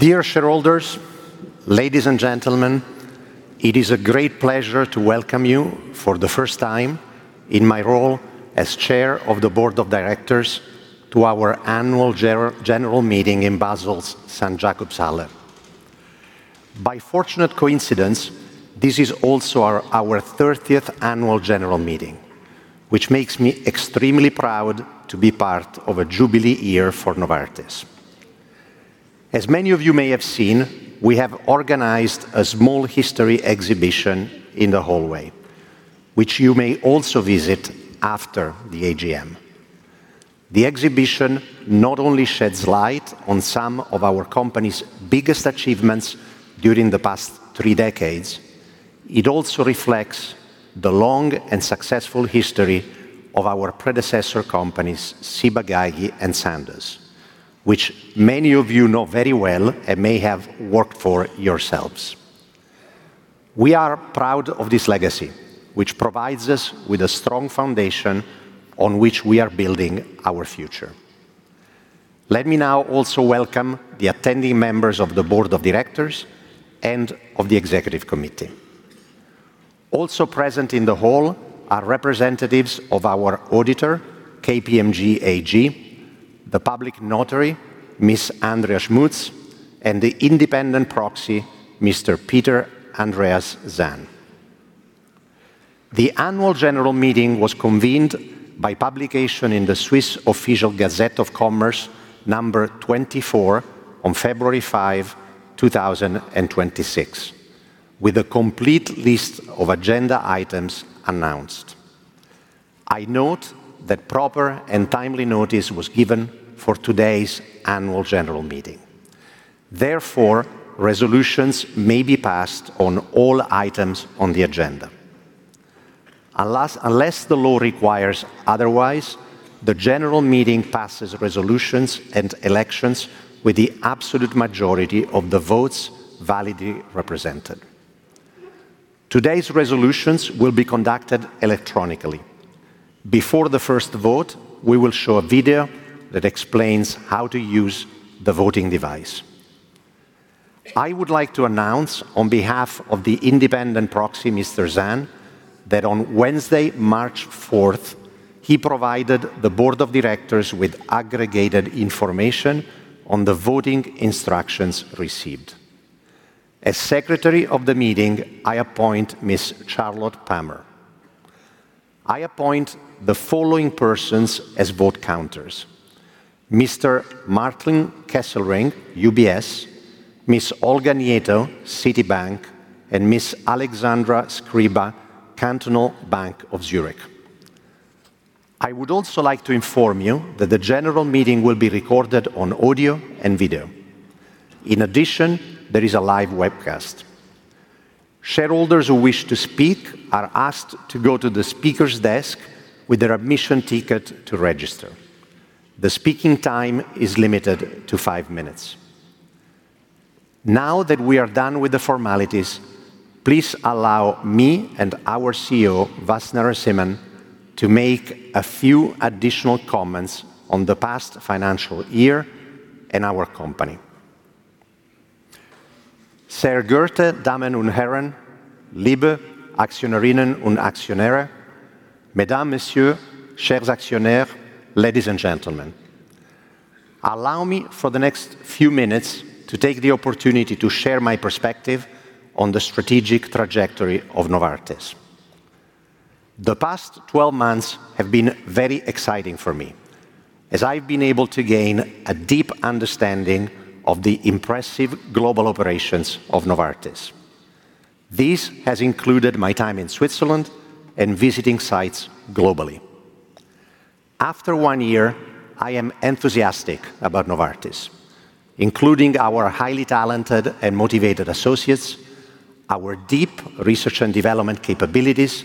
Dear shareholders, ladies and gentlemen, it is a great pleasure to welcome you for the first time in my role as Chair of the Board of Directors to our Annual General Meeting in Basel's St. Jakobshalle. By fortunate coincidence, this is also our 30th Annual General Meeting, which makes me extremely proud to be part of a jubilee year for Novartis. As many of you may have seen, we have organized a small history exhibition in the hallway, which you may also visit after the AGM. The exhibition not only sheds light on some of our company's biggest achievements during the past three decades, it also reflects the long and successful history of our predecessor companies, Ciba-Geigy and Sandoz, which many of you know very well and may have worked for yourselves. We are proud of this legacy, which provides us with a strong foundation on which we are building our future. Let me now also welcome the attending members of the board of directors and of the executive committee. Also present in the hall are representatives of our auditor, KPMG AG, the public notary, Ms. Andrea Schmutz, and the independent proxy, Mr. Peter Andreas Zahner. The Annual General Meeting was convened by publication in the Swiss Official Gazette of Commerce number 24 on February 5, 2026, with a complete list of agenda items announced. I note that proper and timely notice was given for today's Annual General Meeting. Therefore, resolutions may be passed on all items on the agenda. Alas, unless the law requires otherwise, the general meeting passes resolutions and elections with the absolute majority of the votes validly represented. Today's resolutions will be conducted electronically. Before the first vote, we will show a video that explains how to use the voting device. I would like to announce on behalf of the independent mr. Peter Andreas Zahner, that on Wednesday, March fourth, he provided the board of directors with aggregated information on the voting instructions received. As secretary of the meeting, I appoint Ms. Charlotte Palmer. I appoint the following persons as vote counters: Mr. Martin Kesselring, UBS, Ms. Olga Nieto, Citibank, and Ms. Alexandra Scriba, Zürcher Kantonalbank. I would also like to inform you that the general meeting will be recorded on audio and video. In addition, there is a live webcast. Shareholders who wish to speak are asked to go to the speaker's desk with their admission ticket to register. The speaking time is limited to five minutes. Now that we are done with the formalities, please allow me and our CEO, Vas Narasimhan, to make a few additional comments on the past financial year and our company. Ladies and gentlemen. Allow me for the next few minutes to take the opportunity to share my perspective on the strategic trajectory of Novartis. The past 12 months have been very exciting for me as I've been able to gain a deep understanding of the impressive global operations of Novartis. This has included my time in Switzerland and visiting sites globally. After one year, I am enthusiastic about Novartis, including our highly talented and motivated associates, our deep research and development capabilities,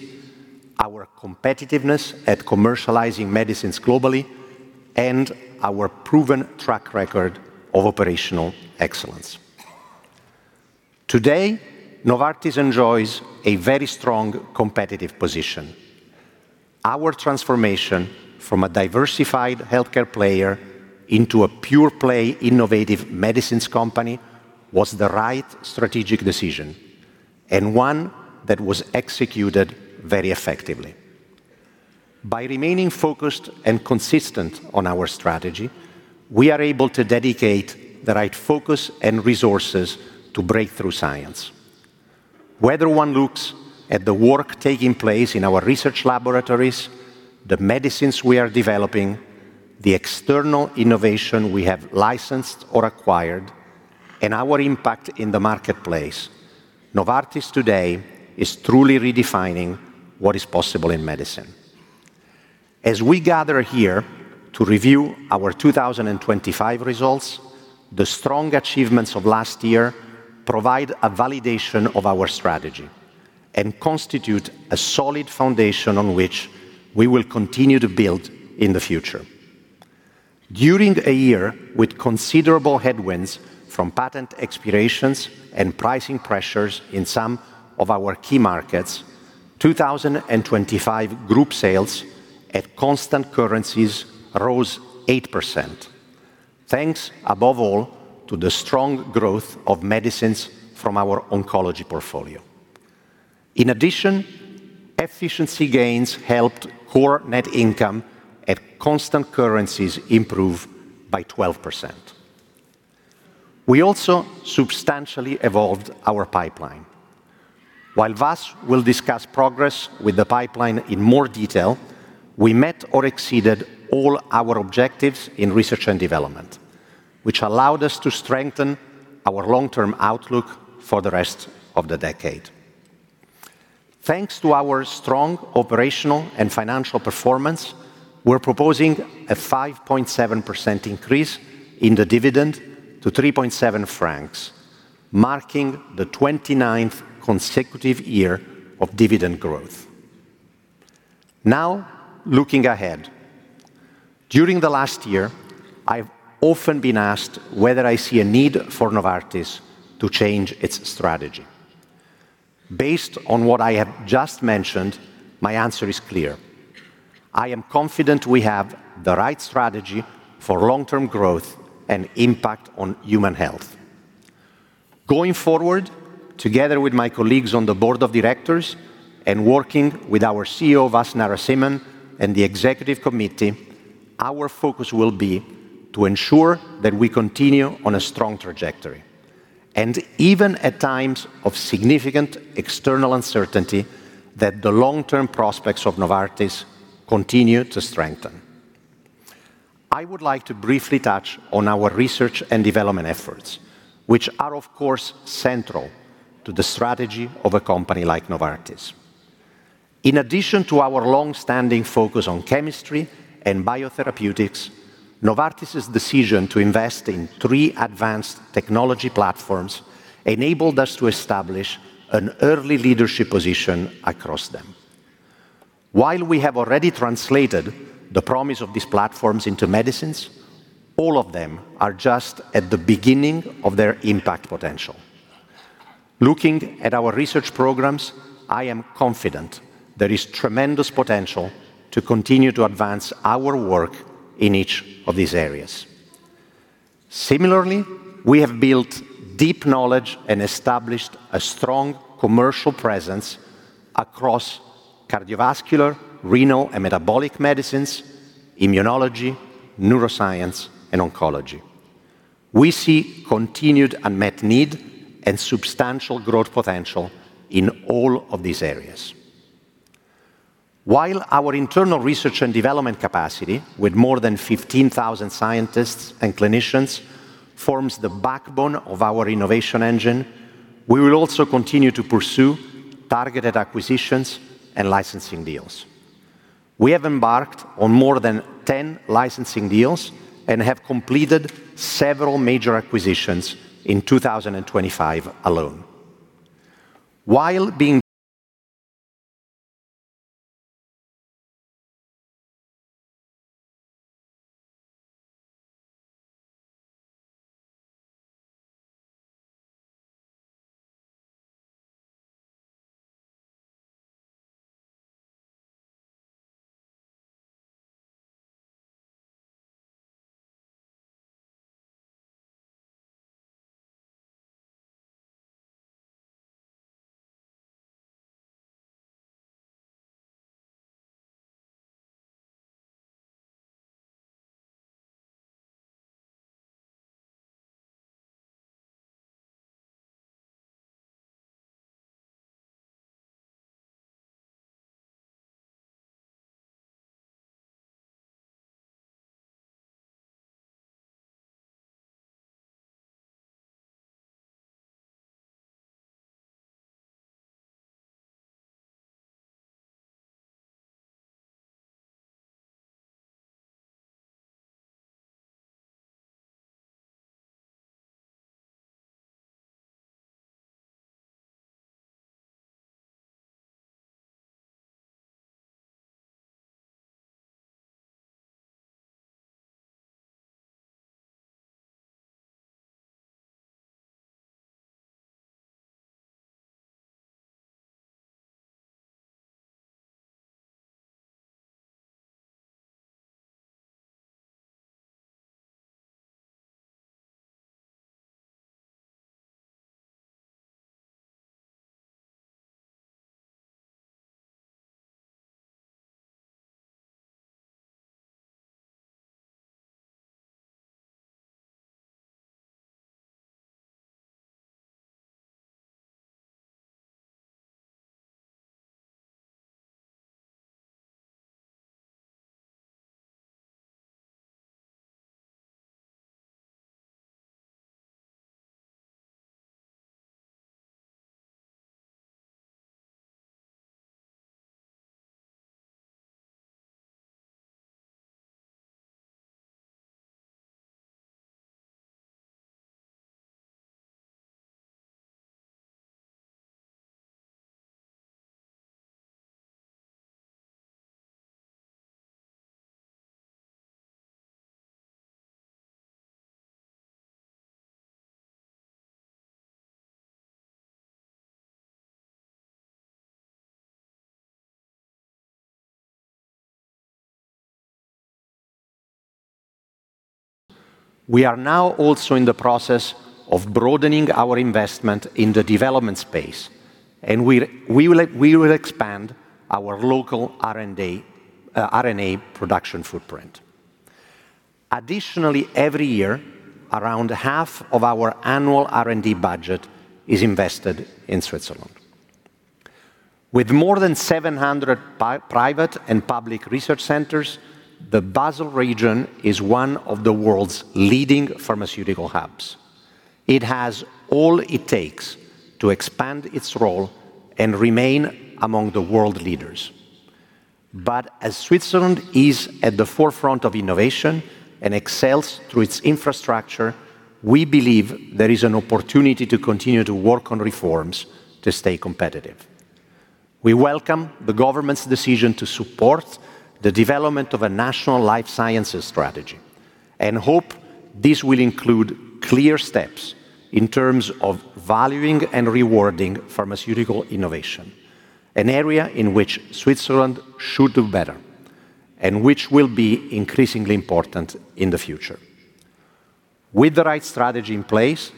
our competitiveness at commercializing medicines globally, and our proven track record of operational excellence. Today, Novartis enjoys a very strong competitive position. Our transformation from a diversified healthcare player into a pure-play innovative medicines company was the right strategic decision and one that was executed very effectively. By remaining focused and consistent on our strategy, we are able to dedicate the right focus and resources to breakthrough science. Whether one looks at the work taking place in our research laboratories, the medicines we are developing, the external innovation we have licensed or acquired, and our impact in the marketplace, Novartis today is truly redefining what is possible in medicine. As we gather here to review our 2025 results, the strong achievements of last year provide a validation of our strategy and constitute a solid foundation on which we will continue to build in the future. During a year with considerable headwinds from patent expirations and pricing pressures in some of our key markets, 2025 group sales at constant currencies rose 8%. Thanks above all to the strong growth of medicines from our oncology portfolio. In addition, efficiency gains helped core net income at constant currencies improve by 12%. We also substantially evolved our pipeline. While Vas will discuss progress with the pipeline in more detail, we met or exceeded all our objectives in research and development, which allowed us to strengthen our long-term outlook for the rest of the decade. Thanks to our strong operational and financial performance, we're proposing a 5.7% increase in the dividend to 3.7 francs, marking the 29th consecutive year of dividend growth. Looking ahead. During the last year, I've often been asked whether I see a need for Novartis to change its strategy. Based on what I have just mentioned, my answer is clear. I am confident we have the right strategy for long-term growth and impact on human health. Going forward, together with my colleagues on the board of directors and working with our CEO, Vas Narasimhan, and the executive committee, our focus will be to ensure that we continue on a strong trajectory. Even at times of significant external uncertainty, that the long-term prospects of Novartis continue to strengthen. I would like to briefly touch on our research and development efforts, which are, of course, central to the strategy of a company like Novartis. In addition to our long-standing focus on chemistry and biotherapeutics, Novartis's decision to three invest in advanced technology platforms enabled us to establish an early leadership position across them. While we have already translated the promise of these platforms into medicines, all of them are just at the beginning of their impact potential. Looking at our research programs, I am confident there is tremendous potential to continue to advance our work in each of these areas. Similarly, we have built deep knowledge and established a strong commercial presence across cardiovascular, renal, and metabolic medicines, immunology, neuroscience, and oncology. We see continued unmet need and substantial growth potential in all of these areas. While our internal research and development capacity with more than 15,000 scientists and clinicians forms the backbone of our innovation engine, we will also continue to pursue targeted acquisitions and licensing deals. We have embarked on more than 10 licensing deals and have completed several major acquisitions in 2025 alone. We are now also in the process of broadening our investment in the development space, and we will expand our local RNA production footprint. Additionally, every year, around half of our annual R&D budget is invested in Switzerland. With more than 700 private and public research centers, the Basel region is one of the world's leading pharmaceutical hubs. It has all it takes to expand its role and remain among the world leaders. As Switzerland is at the forefront of innovation and excels through its infrastructure, we believe there is an opportunity to continue to work on reforms to stay competitive. We welcome the government's decision to support the development of a national life sciences strategy and hope this will include clear steps in terms of valuing and rewarding pharmaceutical innovation, an area in which Switzerland should do better and which will be increasingly important in the future. With the right strategy in place,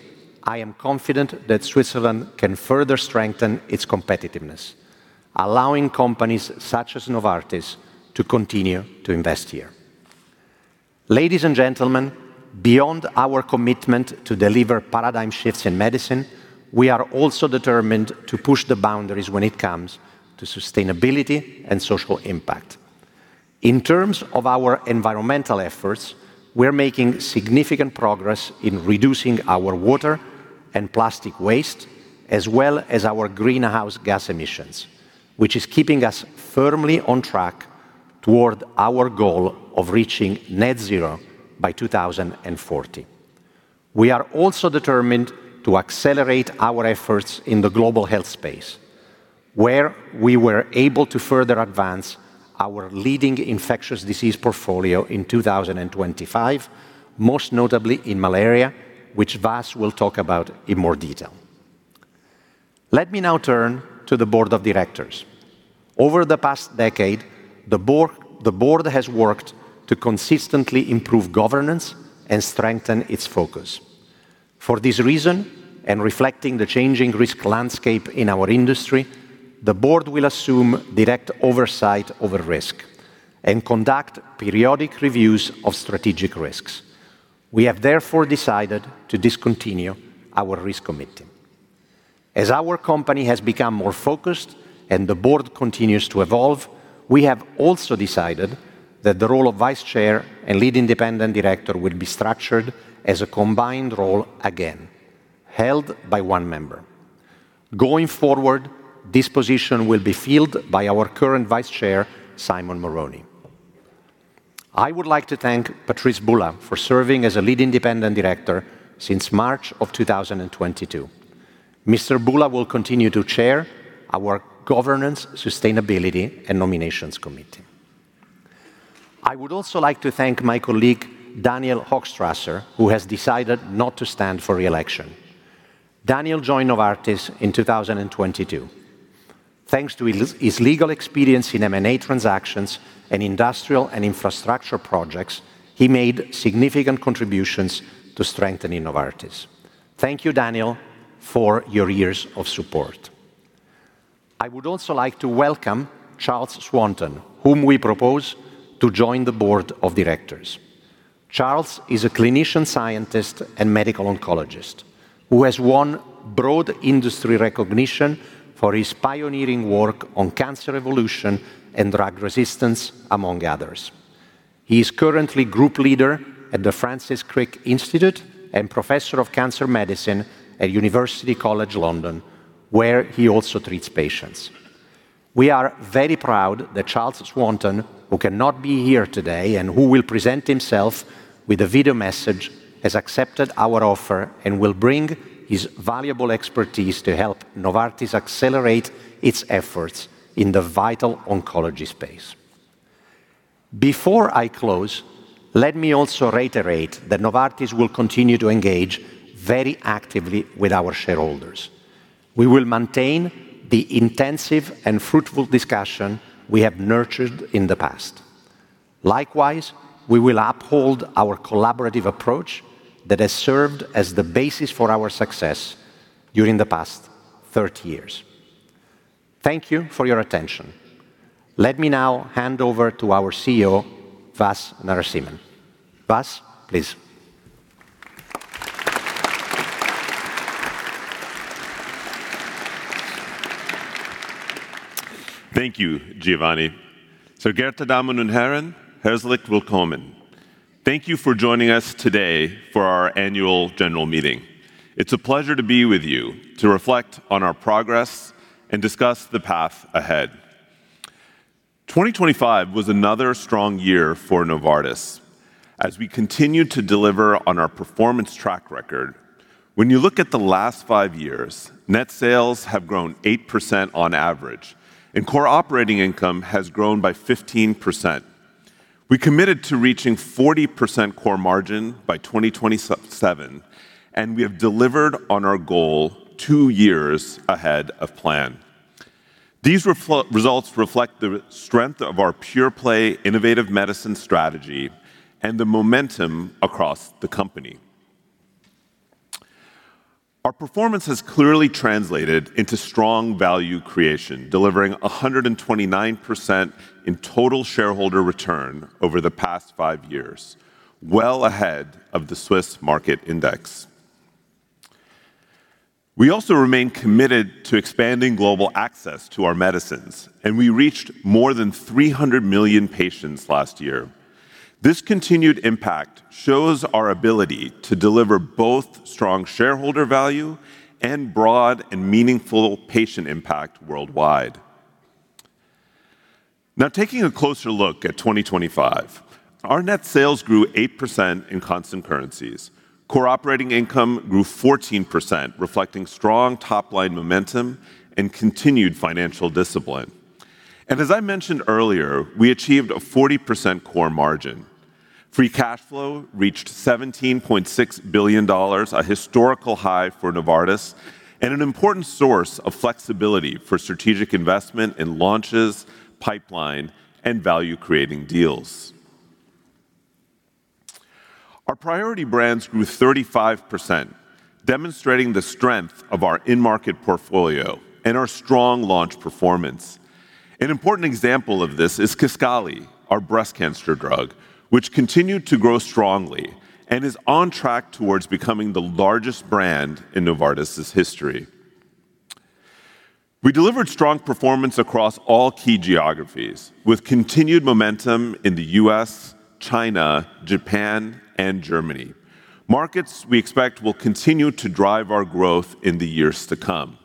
I am confident that Switzerland can further strengthen its competitiveness, allowing companies such as Novartis to continue to invest here. Ladies and gentlemen, beyond our commitment to deliver paradigm shifts in medicine, we are also determined to push the boundaries when it comes to sustainability and social impact. In terms of our environmental efforts, we're making significant progress in reducing our water and plastic waste, as well as our greenhouse gas emissions, which is keeping us firmly on track toward our goal of reaching net zero by 2040. We are also determined to accelerate our efforts in the global health space, where we were able to further advance our leading infectious disease portfolio in 2025, most notably in malaria, which Vas will talk about in more detail. Let me now turn to the Board of Directors. Over the past decade, the board has worked to consistently improve governance and strengthen its focus. For this reason, and reflecting the changing risk landscape in our industry, the board will assume direct oversight over risk and conduct periodic reviews of strategic risks. We have therefore decided to discontinue our Risk Committee. As our company has become more focused and the board continues to evolve, we have also decided that the role of Vice Chair and Lead Independent Director will be structured as a combined role again, held by one member. Going forward, this position will be filled by our current Vice Chair, Simon Moroney. I would like to thank Patrice Bula for serving as a lead independent director since March of 2022. Mr. Bula will continue to chair our governance, sustainability, and nominations committee. I would also like to thank my colleague, Daniel Hochstrasser, who has decided not to stand for re-election. Daniel joined Novartis in 2022. Thanks to his legal experience in M&A transactions and industrial and infrastructure projects, he made significant contributions to strengthening Novartis. Thank you, Daniel, for your years of support. I would also like to welcome Charles Swanton, whom we propose to join the Board of Directors. Charles is a clinician scientist and medical oncologist who has won broad industry recognition for his pioneering work on cancer evolution and drug resistance, among others. He is currently group leader at the Francis Crick Institute and Professor of Cancer Medicine at University College London, where he also treats patients. We are very proud that Charles Swanton, who cannot be here today and who will present himself with a video message, has accepted our offer and will bring his valuable expertise to help Novartis accelerate its efforts in the vital oncology space. Before I close, let me also reiterate that Novartis will continue to engage very actively with our shareholders. We will maintain the intensive and fruitful discussion we have nurtured in the past. Likewise, we will uphold our collaborative approach that has served as the basis for our success during the past 30 years. Thank you for your attention. Let me now hand over to our CEO, Vas Narasimhan. Vas, please. Thank you, Giovanni. Herzlich willkommen. Thank you for joining us today for our Annual General Meeting. It's a pleasure to be with you to reflect on our progress and discuss the path ahead. 2025 was another strong year for Novartis as we continued to deliver on our performance track record. When you look at the last five years, net sales have grown 8% on average, and core operating income has grown by 15%. We committed to reaching 40% core margin by 2027, and we have delivered on our goal two years ahead of plan. These results reflect the strength of our pure-play innovative medicine strategy and the momentum across the company. Our performance has clearly translated into strong value creation, delivering 129% in total shareholder return over the past five years, well ahead of the Swiss Market Index. We also remain committed to expanding global access to our medicines, and we reached more than 300 million patients last year. This continued impact shows our ability to deliver both strong shareholder value and broad and meaningful patient impact worldwide. Now, taking a closer look at 2025, our net sales grew 8% in constant currencies. Core operating income grew 14%, reflecting strong top-line momentum and continued financial discipline. As I mentioned earlier, we achieved a 40% core margin. Free cash flow reached $17.6 billion, a historical high for Novartis and an important source of flexibility for strategic investment in launches, pipeline, and value-creating deals. Our priority brands grew 35%, demonstrating the strength of our in-market portfolio and our strong launch performance. An important example of this is Kisqali, our breast cancer drug, which continued to grow strongly and is on track towards becoming the largest brand in Novartis's history. We delivered strong performance across all key geographies with continued momentum in the U.S., China, Japan, and Germany. Markets we expect will continue to drive our growth in the years to come.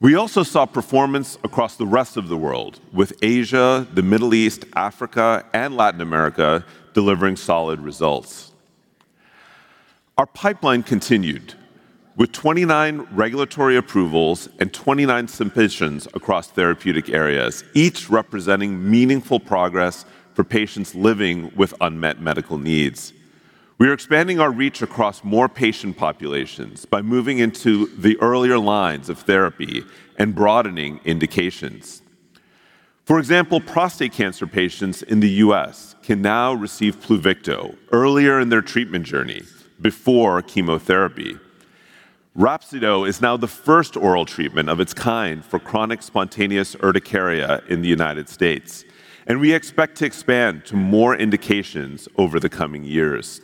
We also saw performance across the rest of the world, with Asia, the Middle East, Africa, and Latin America delivering solid results. Our pipeline continued with 29 regulatory approvals and 29 submissions across therapeutic areas, each representing meaningful progress for patients living with unmet medical needs. We are expanding our reach across more patient populations by moving into the earlier lines of therapy and broadening indications. For example, prostate cancer patients in the U.S. can now receive Pluvicto earlier in their treatment journey before chemotherapy. Rhapsido is now the first oral treatment of its kind for Chronic Spontaneous Urticaria in the United States. We expect to expand to more indications over the coming years.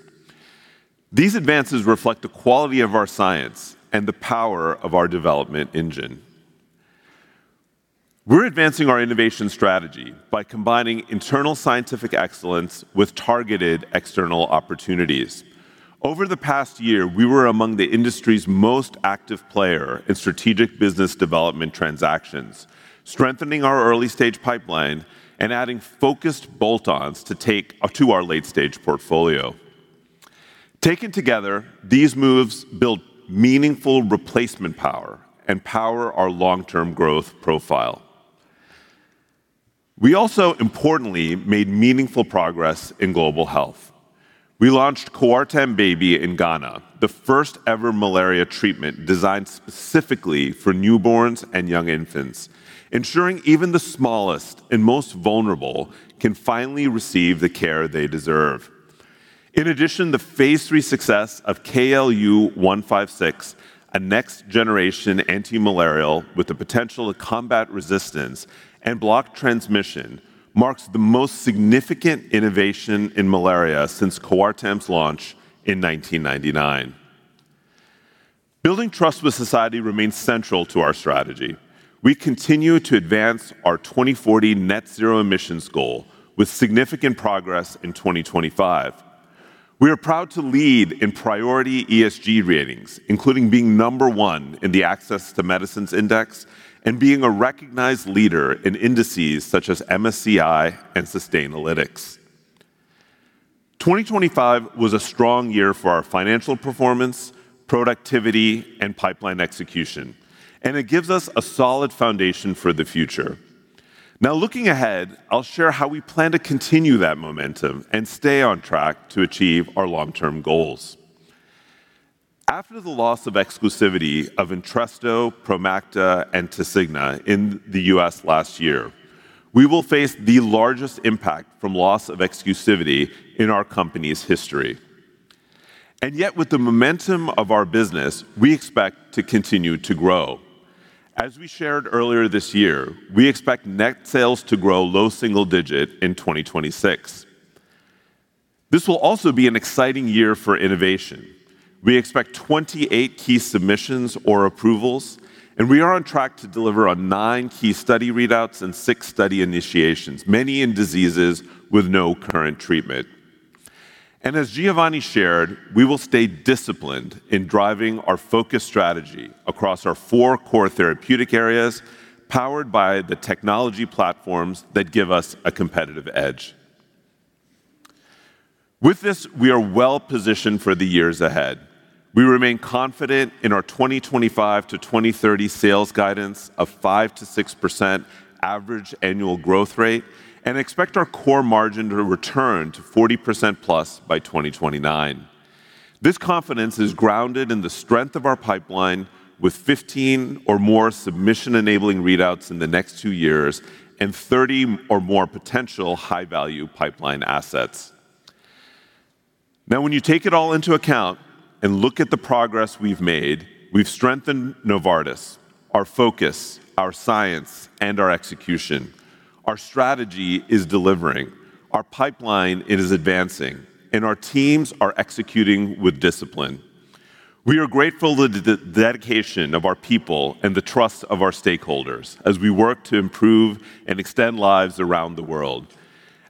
These advances reflect the quality of our science and the power of our development engine. We're advancing our innovation strategy by combining internal scientific excellence with targeted external opportunities. Over the past year, we were among the industry's most active player in strategic business development transactions, strengthening our early-stage pipeline and adding focused bolt-ons to take to our late-stage portfolio. Taken together, these moves build meaningful replacement power and power our long-term growth profile. We also importantly made meaningful progress in global health. We launched Coartem Baby in Ghana, the first-ever malaria treatment designed specifically for newborns and young infants, ensuring even the smallest and most vulnerable can finally receive the care they deserve. In addition, the phase III success of KLU156, a next-generation antimalarial with the potential to combat resistance and block transmission, marks the most significant innovation in malaria since Coartem's launch in 1999. Building trust with society remains central to our strategy. We continue to advance our 2040 net zero emissions goal with significant progress in 2025. We are proud to lead in priority ESG ratings, including being number one in the Access to Medicine Index and being a recognized leader in indices such as MSCI and Sustainalytics. 2025 was a strong year for our financial performance, productivity, and pipeline execution, and it gives us a solid foundation for the future. Now, looking ahead, I'll share how we plan to continue that momentum and stay on track to achieve our long-term goals. After the loss of exclusivity of Entresto, Promacta, and Tecfidera in the U.S. last year, we will face the largest impact from loss of exclusivity in our company's history. Yet with the momentum of our business, we expect to continue to grow. As we shared earlier this year, we expect net sales to grow low single digit in 2026. This will also be an exciting year for innovation. We expect 28 key submissions or approvals, and we are on track to deliver on nine key study readouts and six study initiations, many in diseases with no current treatment. As Giovanni shared, we will stay disciplined in driving our focus strategy across our four core therapeutic areas, powered by the technology platforms that give us a competitive edge. With this, we are well positioned for the years ahead. We remain confident in our 2025 to 2030 sales guidance of 5%-6% average annual growth rate and expect our core margin to return to 40%+ by 2029. This confidence is grounded in the strength of our pipeline with 15 or more submission-enabling readouts in the next two years and 30 or more potential high-value pipeline assets. When you take it all into account and look at the progress we've made, we've strengthened Novartis, our focus, our science, and our execution. Our strategy is delivering. Our pipeline, it is advancing, and our teams are executing with discipline. We are grateful to the dedication of our people and the trust of our stakeholders as we work to improve and extend lives around the world.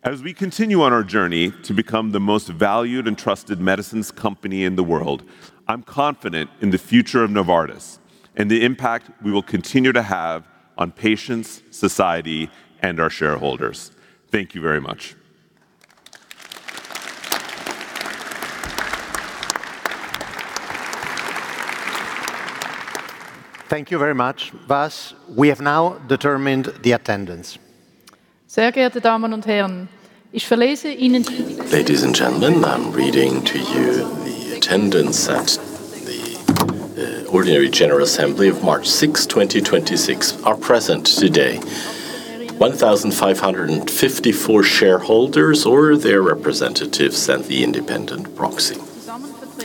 As we continue on our journey to become the most valued and trusted medicines company in the world, I'm confident in the future of Novartis and the impact we will continue to have on patients, society, and our shareholders. Thank you very much. Thank you very much, Vas. We have now determined the attendance. Ladies and gentlemen, I'm reading to you the attendance at the Ordinary General Assembly of March 6th, 2026. Present today are 1,554 shareholders or their representatives and the Independent Proxy.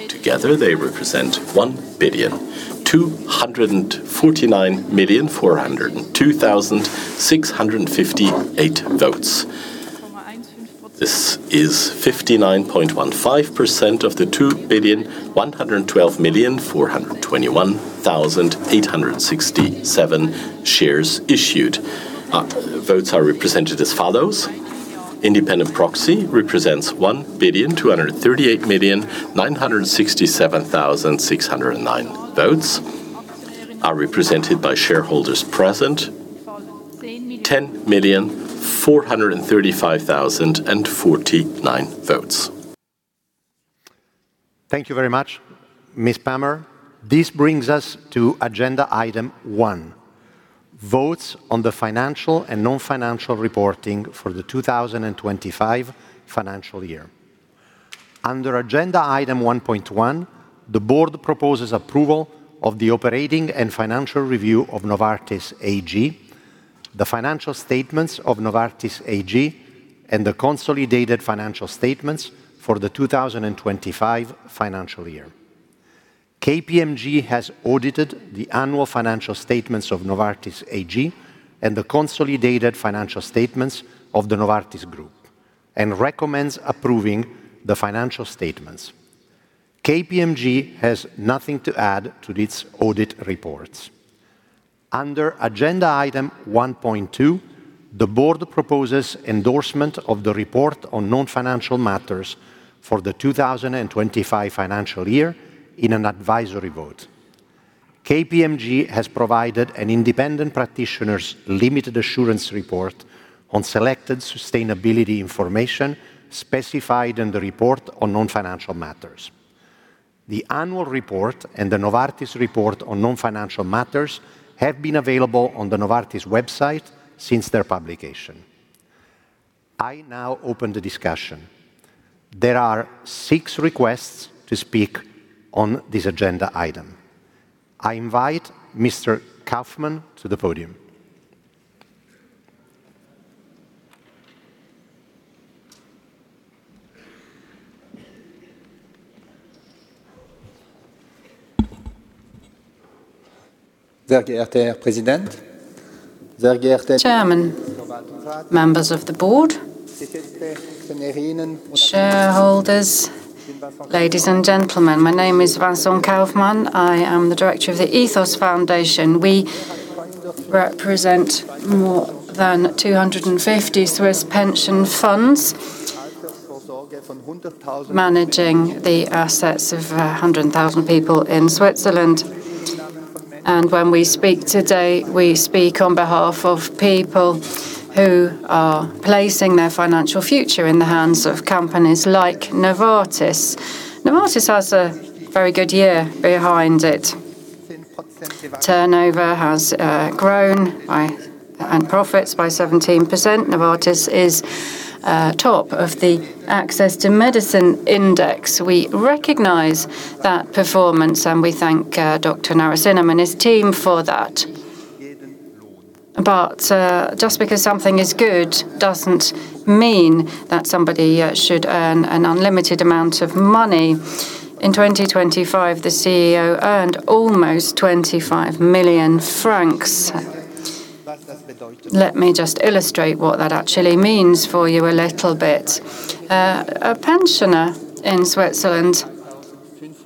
Together, they represent 1,249,402,658 votes. This is 59.15% of the 2,112,421,867 shares issued. Votes are represented as follows: Independent Proxy represents 1,238,967,609 votes are represented by shareholders present, 10,435,049 votes. Thank you very much, Ms. Palmer. This brings us to agenda item one, votes on the financial and non-financial reporting for the 2025 financial year. Under agenda item 1.1, the board proposes approval of the operating and financial review of Novartis AG, the financial statements of Novartis AG, and the consolidated financial statements for the 2025 financial year. KPMG has audited the annual financial statements of Novartis AG and the consolidated financial statements of the Novartis Group and recommends approving the financial statements. KPMG has nothing to add to these audit reports. Under agenda item 1.2, the board proposes endorsement of the report on non-financial matters for the 2025 financial year in an advisory vote. KPMG has provided an independent practitioner's limited assurance report on selected sustainability information specified in the report on non-financial matters. The annual report and the Novartis report on non-financial matters have been available on the Novartis website since their publication. I now open the discussion. There are six requests to speak on this agenda item. I invite Mr. Kaufmann to the podium. Chairman, members of the board, shareholders, ladies and gentlemen. My name is Vincent Kaufmann. I am the Director of the Ethos Foundation. We represent more than 250 Swiss pension funds managing the assets of 100,000 people in Switzerland. When we speak today, we speak on behalf of people who are placing their financial future in the hands of companies like Novartis. Novartis has a very good year behind it. Turnover has grown by, and profits by 17%. Novartis is top of the Access to Medicine Index. We recognize that performance, and we thank Dr. Narasimhan and his team for that. Just because something is good doesn't mean that somebody should earn an unlimited amount of money. In 2025, the CEO earned almost 25 million francs. Let me just illustrate what that actually means for you a little bit. A pensioner in Switzerland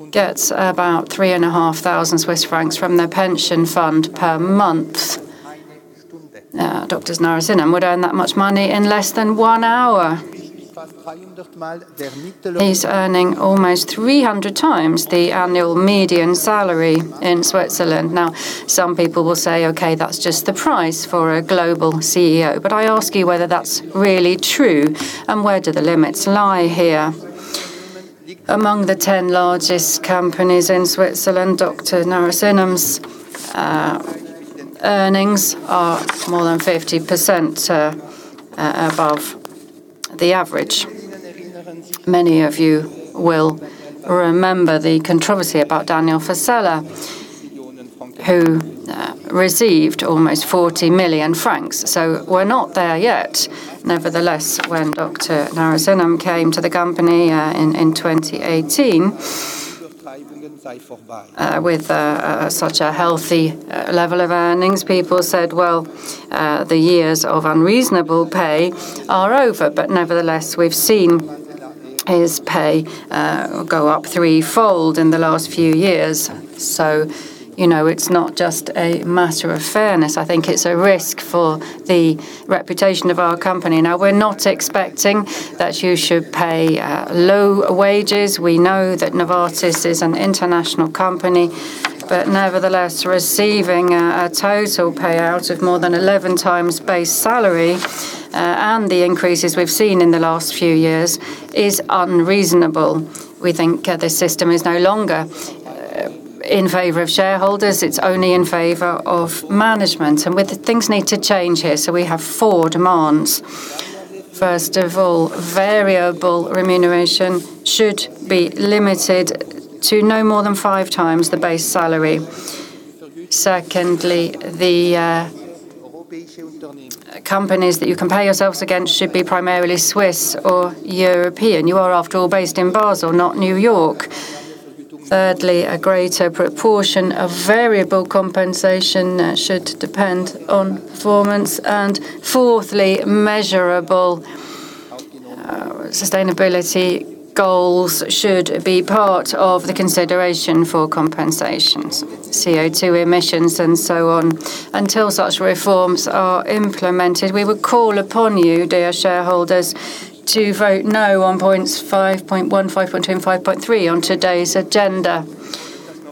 gets about three and a half thousand Swiss francs from their pension fund per month. Dr. Narasimhan would earn that much money in less than one hour. He's earning almost 300 times the annual median salary in Switzerland. Now, some people will say, "Okay, that's just the price for a global CEO." I ask you whether that's really true, and where do the limits lie here? Among the 10 largest companies in Switzerland, Dr. Narasimhan's earnings are more than 50% above the average. Many of you will remember the controversy about Daniel Vasella, who received almost 40 million francs. We're not there yet. When Dr. Narasimham came to the company in 2018 with such a healthy level of earnings, people said, "Well, the years of unreasonable pay are over." Nevertheless, we've seen his pay go up threefold in the last few years. You know, it's not just a matter of fairness. I think it's a risk for the reputation of our company. Now, we're not expecting that you should pay low wages. We know that Novartis is an international company. Nevertheless, receiving a total payout of more than 11 times base salary and the increases we've seen in the last few years is unreasonable. We think this system is no longer in favor of shareholders. It's only in favor of management. Things need to change here. We have four demands. First of all, variable remuneration should be limited to no more than five times the base salary. Secondly, the companies that you compare yourselves against should be primarily Swiss or European. You are, after all, based in Basel, not New York. Thirdly, a greater proportion of variable compensation should depend on performance. Fourthly, measurable sustainability goals should be part of the consideration for compensations, CO2 emissions, and so on. Until such reforms are implemented, we would call upon you, dear shareholders, to vote no on points 5.1, 5.2, and 5.3 on today's agenda.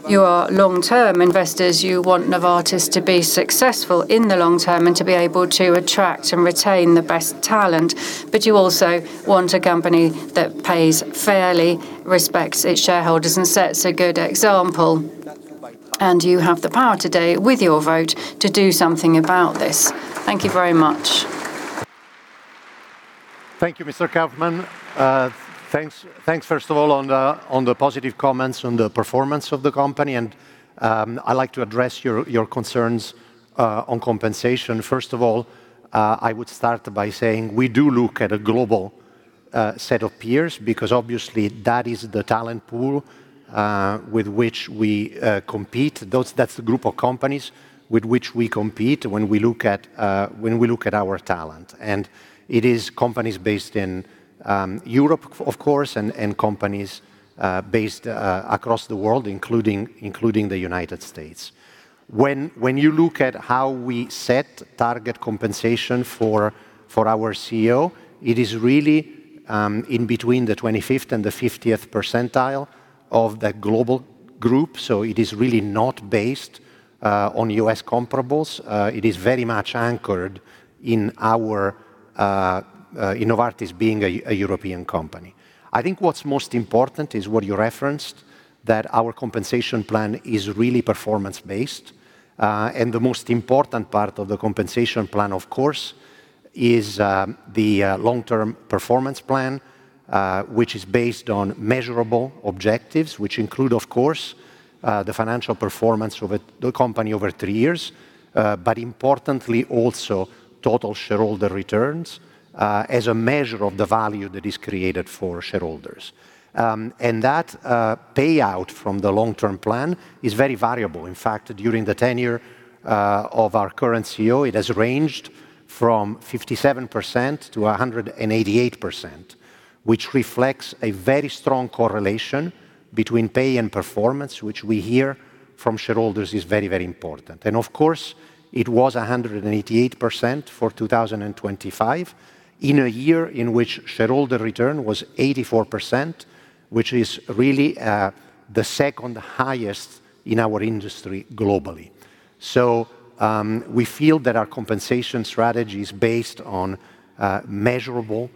You are long-term investors. You want Novartis to be successful in the long term and to be able to attract and retain the best talent. You also want a company that pays fairly, respects its shareholders, and sets a good example. You have the power today with your vote to do something about this. Thank you very much. Thank you, Mr. Kaufmann. Thanks, first of all, on the positive comments on the performance of the company, I'd like to address your concerns on compensation. First of all, I would start by saying we do look at a global set of peers because obviously that is the talent pool with which we compete. That's the group of companies with which we compete when we look at our talent. It is companies based in Europe, of course, and companies based across the world, including the United States. When you look at how we set target compensation for our CEO, it is really in between the 25th and the 50th percentile of the global group, so it is really not based on U.S. comparables. It is very much anchored in our in Novartis being a European company. I think what's most important is what you referenced, that our compensation plan is really performance-based. The most important part of the compensation plan, of course, is the long-term performance plan, which is based on measurable objectives, which include, of course, the financial performance of the company over three years, but importantly also total shareholder returns as a measure of the value that is created for shareholders. That payout from the long-term plan is very variable. In fact, during the tenure of our current CEO, it has ranged from 57%-188%, which reflects a very strong correlation between pay and performance, which we hear from shareholders is very, very important. Of course, it was 188% for 2025 in a year in which shareholder return was 84%, which is really the second-highest in our industry globally. We feel that our compensation strategy is based on measurable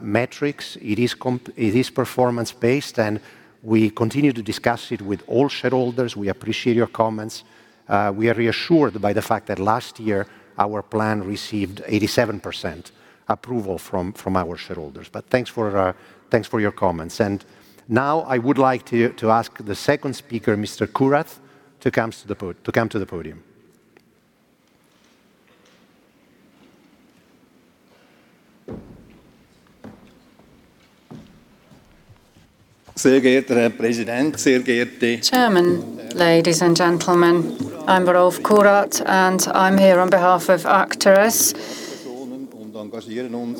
metrics. It is performance-based, and we continue to discuss it with all shareholders. We appreciate your comments. We are reassured by the fact that last year our plan received 87% approval from our shareholders. Thanks for your comments. Now I would like to ask the second speaker, Mr. Kurat, to comes to the podium. Chairman, ladies and gentlemen, I'm Rolf Kurath, and I'm here on behalf of Actares.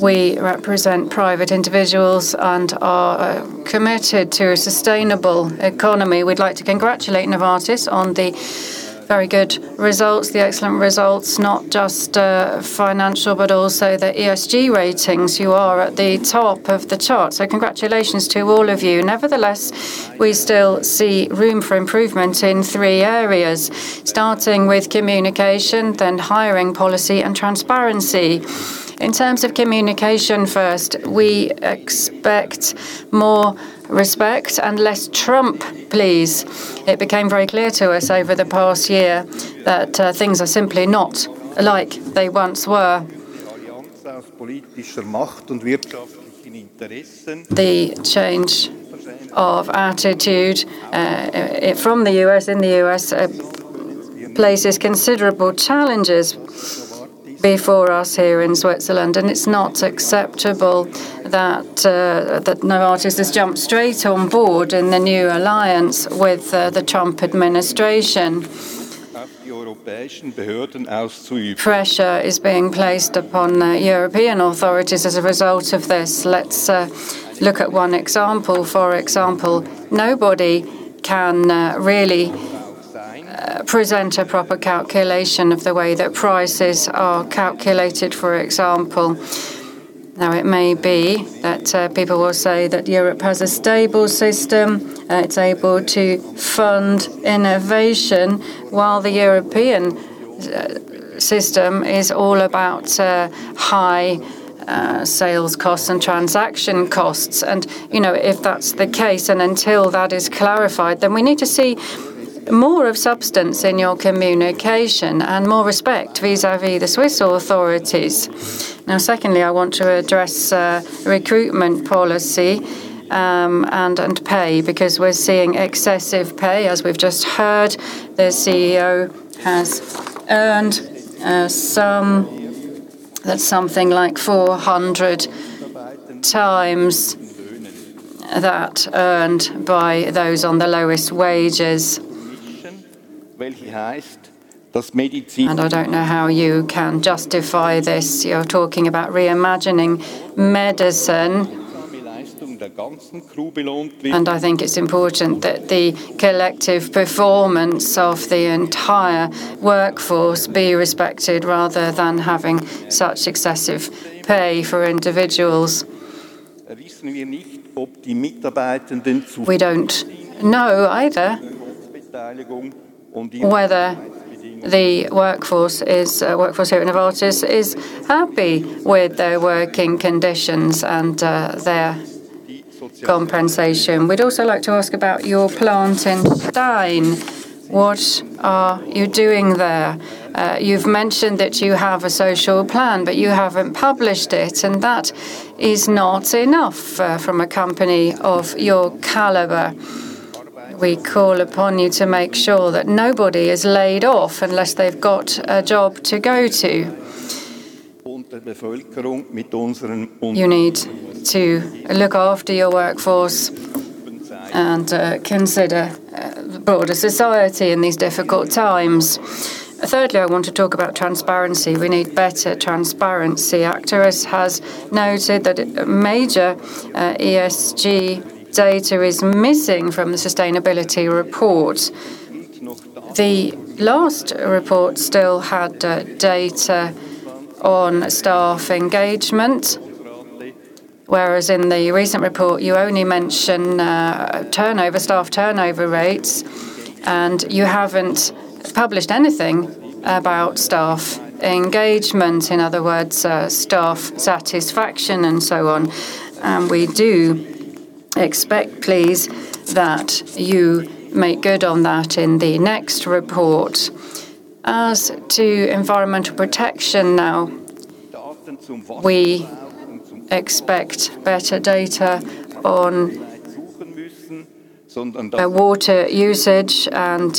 We represent private individuals and are committed to a sustainable economy. We'd like to congratulate Novartis on the very good results, the excellent results, not just financial, but also the ESG ratings. You are at the top of the charts, so congratulations to all of you. Nevertheless, we still see room for improvement in three areas, starting with communication, then hiring policy, and transparency. In terms of communication first, we expect more respect and less Trump, please. It became very clear to us over the past year that things are simply not like they once were. The change of attitude from the U.S., in the U.S., places considerable challenges before us here in Switzerland, and it's not acceptable that Novartis has jumped straight on board in the new alliance with the Trump administration. Pressure is being placed upon European authorities as a result of this. Let's look at one example. For example, nobody can really present a proper calculation of the way that prices are calculated, for example. Now, it may be that people will say that Europe has a stable system, it's able to fund innovation while the European system is all about high sales costs and transaction costs. You know, if that's the case, and until that is clarified, then we need to see more of substance in your communication and more respect vis-à-vis the Swiss authorities. Secondly, I want to address recruitment policy and pay because we're seeing excessive pay. As we've just heard, the CEO has earned a sum that's something like 400 times that earned by those on the lowest wages. I don't know how you can justify this. You're talking about reimagining medicine. I think it's important that the collective performance of the entire workforce be respected rather than having such excessive pay for individuals. We don't know either whether the workforce here at Novartis is happy with their working conditions and their compensation. We'd also like to ask about your plant in Stein. What are you doing there? You've mentioned that you have a social plan, but you haven't published it. That is not enough from a company of your caliber. We call upon you to make sure that nobody is laid off unless they've got a job to go to. You need to look after your workforce and consider the broader society in these difficult times. Thirdly, I want to talk about transparency. We need better transparency. Actares has noted that major ESG data is missing from the sustainability report. The last report still had data on staff engagement, whereas in the recent report, you only mention turnover, staff turnover rates, and you haven't published anything about staff engagement, in other words, staff satisfaction and so on. We do expect, please, that you make good on that in the next report. As to environmental protection now, we expect better data on water usage and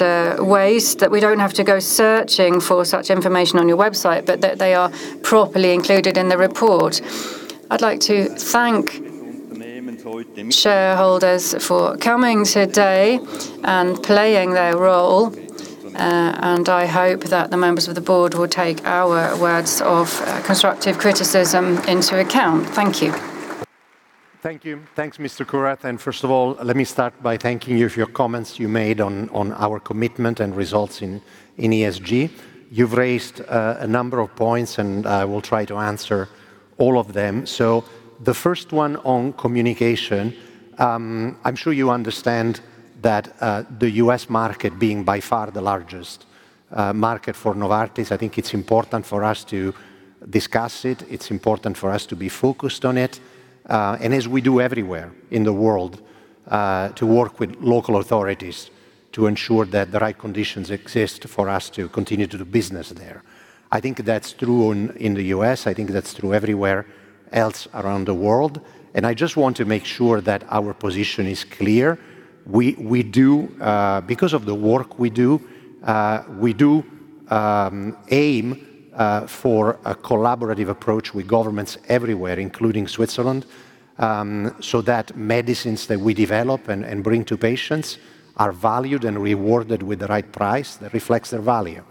waste, that we don't have to go searching for such information on your website, but that they are properly included in the report. I'd like to thank shareholders for coming today and playing their role. I hope that the members of the board will take our words of constructive criticism into account. Thank you. Thank you. Thanks, Mr. Kurat. First of all, let me start by thanking you for your comments you made on our commitment and results in ESG. You've raised a number of points. I will try to answer all of them. The first one on communication, I'm sure you understand that the U.S. market being by far the largest market for Novartis, I think it's important for us to discuss it. It's important for us to be focused on it, as we do everywhere in the world, to work with local authorities to ensure that the right conditions exist for us to continue to do business there. I think that's true in the U.S. I think that's true everywhere else around the world. I just want to make sure that our position is clear. We do because of the work we do, we do aim for a collaborative approach with governments everywhere, including Switzerland, so that medicines that we develop and bring to patients are valued and rewarded with the right price that reflects their value.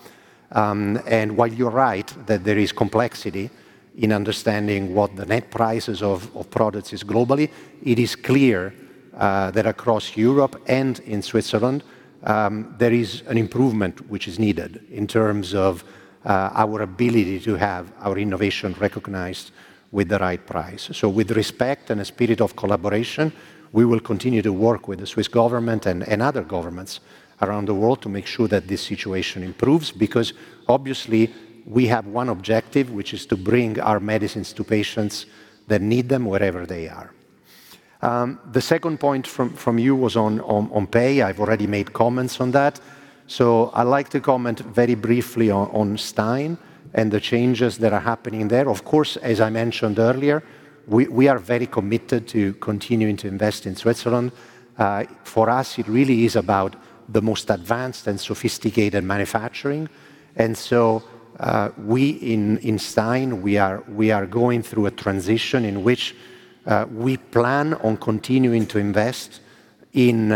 While you're right that there is complexity in understanding what the net prices of products is globally, it is clear that across Europe and in Switzerland, there is an improvement which is needed in terms of our ability to have our innovation recognized with the right price. With respect and a spirit of collaboration, we will continue to work with the Swiss government and other governments around the world to make sure that this situation improves because obviously we have one objective, which is to bring our medicines to patients that need them wherever they are. The second point from you was on pay. I've already made comments on that. I like to comment very briefly on Stein and the changes that are happening there. Of course, as I mentioned earlier, we are very committed to continuing to invest in Switzerland. For us, it really is about the most advanced and sophisticated manufacturing. We in Stein, we are going through a transition in which we plan on continuing to invest in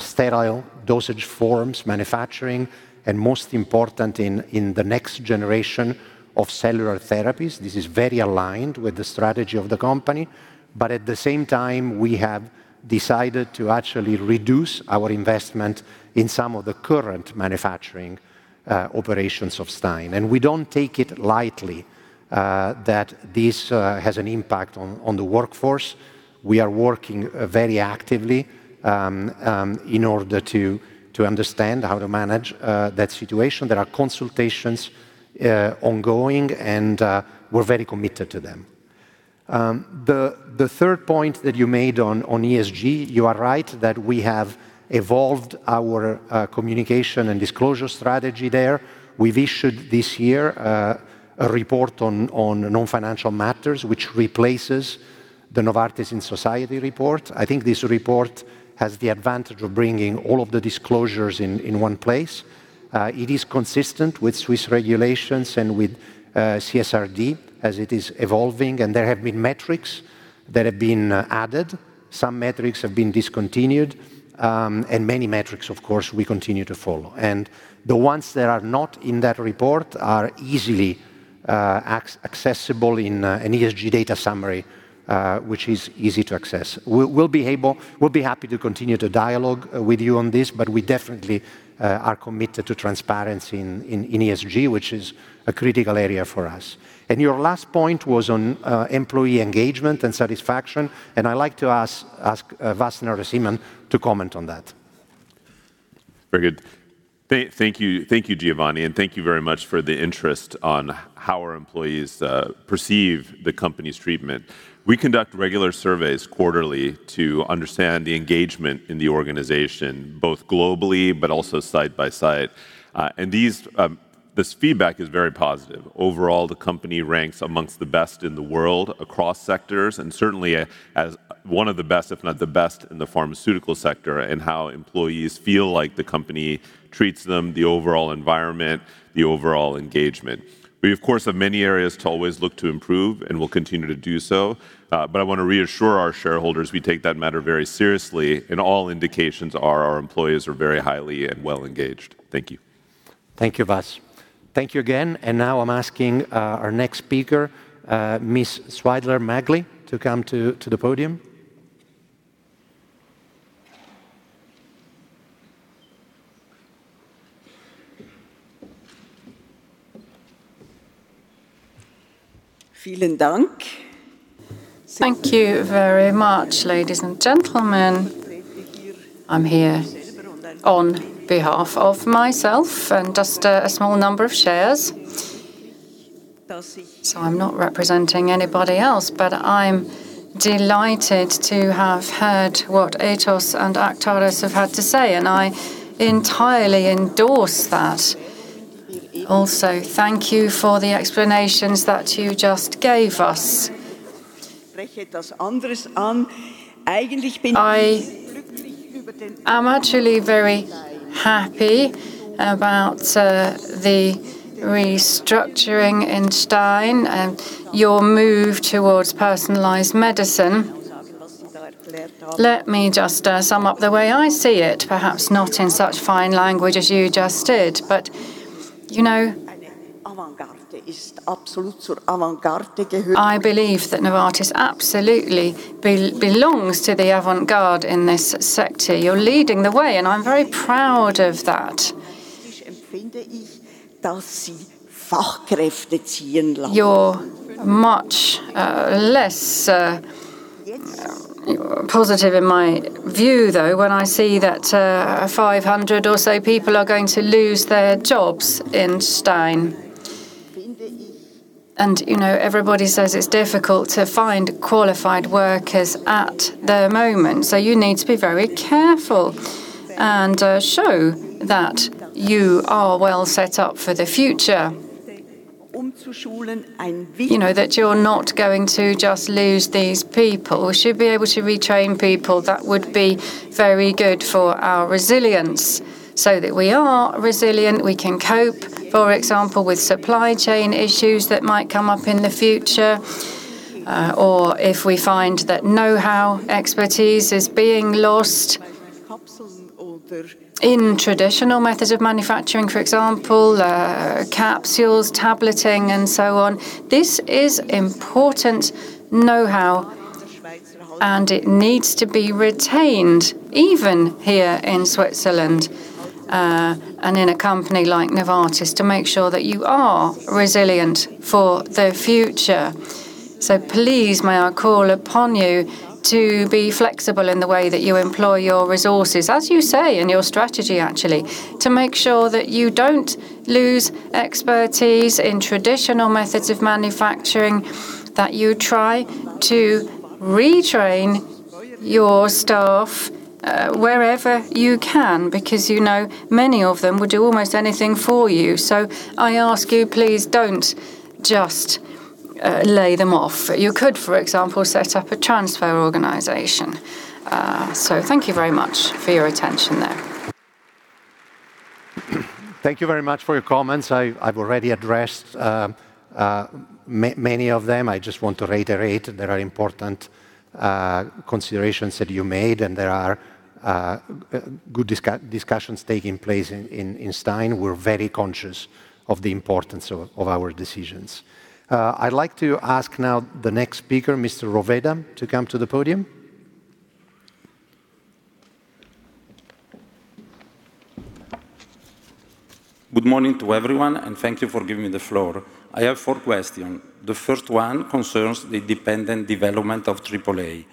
sterile dosage forms, manufacturing, and most important in the next generation of cellular therapies. This is very aligned with the strategy of the company. At the same time, we have decided to actually reduce our investment in some of the current manufacturing operations of Stein. We don't take it lightly that this has an impact on the workforce. We are working very actively in order to understand how to manage that situation. There are consultations ongoing, and we're very committed to them. The third point that you made on ESG, you are right that we have evolved our communication and disclosure strategy there. We've issued this year a report on non-financial matters, which replaces the Novartis in Society report. I think this report has the advantage of bringing all of the disclosures in one place. It is consistent with Swiss regulations and with CSRD as it is evolving, and there have been metrics that have been added. Some metrics have been discontinued, and many metrics, of course, we continue to follow. The ones that are not in that report are easily accessible in an ESG data summary, which is easy to access. We'll be happy to continue to dialogue with you on this, but we definitely are committed to transparency in ESG, which is a critical area for us. Your last point was on, employee engagement and satisfaction, and I like to ask Vas Narasimhan to comment on that. Very good. Thank you. Thank you, Giovanni, thank you very much for the interest on how our employees perceive the company's treatment. We conduct regular surveys quarterly to understand the engagement in the organization, both globally but also site by site. This feedback is very positive. Overall, the company ranks amongst the best in the world across sectors, certainly as one of the best, if not the best in the pharmaceutical sector in how employees feel like the company treats them, the overall environment, the overall engagement. We of course have many areas to always look to improve and will continue to do so. I wanna reassure our shareholders we take that matter very seriously, all indications are our employees are very highly and well engaged. Thank you. Thank you, Vas. Thank you again. Now I'm asking, our next speaker, Miss Schweidler-Mahli to come to the podium. Thank you very much, ladies and gentlemen. I'm here on behalf of myself and just a small number of shares. I'm not representing anybody else, but I'm delighted to have heard what Ethos and Actares have had to say, and I entirely endorse that. Also, thank you for the explanations that you just gave us. I am actually very happy about the restructuring in Stein and your move towards personalized medicine. Let me just sum up the way I see it, perhaps not in such fine language as you just did, but, you know, I believe that Novartis absolutely belongs to the avant-garde in this sector. You're leading the way, and I'm very proud of that. You're much less positive in my view, though, when I see that 500 or so people are going to lose their jobs in Stein. You know, everybody says it's difficult to find qualified workers at the moment. You need to be very careful and show that you are well set up for the future. You know, that you're not going to just lose these people. Should be able to retrain people. That would be very good for our resilience so that we are resilient. We can cope, for example, with supply chain issues that might come up in the future, or if we find that know-how expertise is being lost in traditional methods of manufacturing, for example, capsules, tableting, and so on. This is important know-how, and it needs to be retained even here in Switzerland, and in a company like Novartis to make sure that you are resilient for the future. Please may I call upon you to be flexible in the way that you employ your resources, as you say in your strategy, actually, to make sure that you don't lose expertise in traditional methods of manufacturing, that you try to retrain your staff wherever you can, because you know many of them would do almost anything for you. I ask you, please don't just lay them off. You could, for example, set up a transfer organization. Thank you very much for your attention there. Thank you very much for your comments. I've already addressed many of them. I just want to reiterate there are important considerations that you made, and there are good discussions taking place in Stein. We're very conscious of the importance of our decisions. I'd like to ask now the next speaker, Mr. Roveda, to come to the podium. Good morning to everyone. Thank you for giving me the floor. I have four question. The first one concerns the independent development of AAA.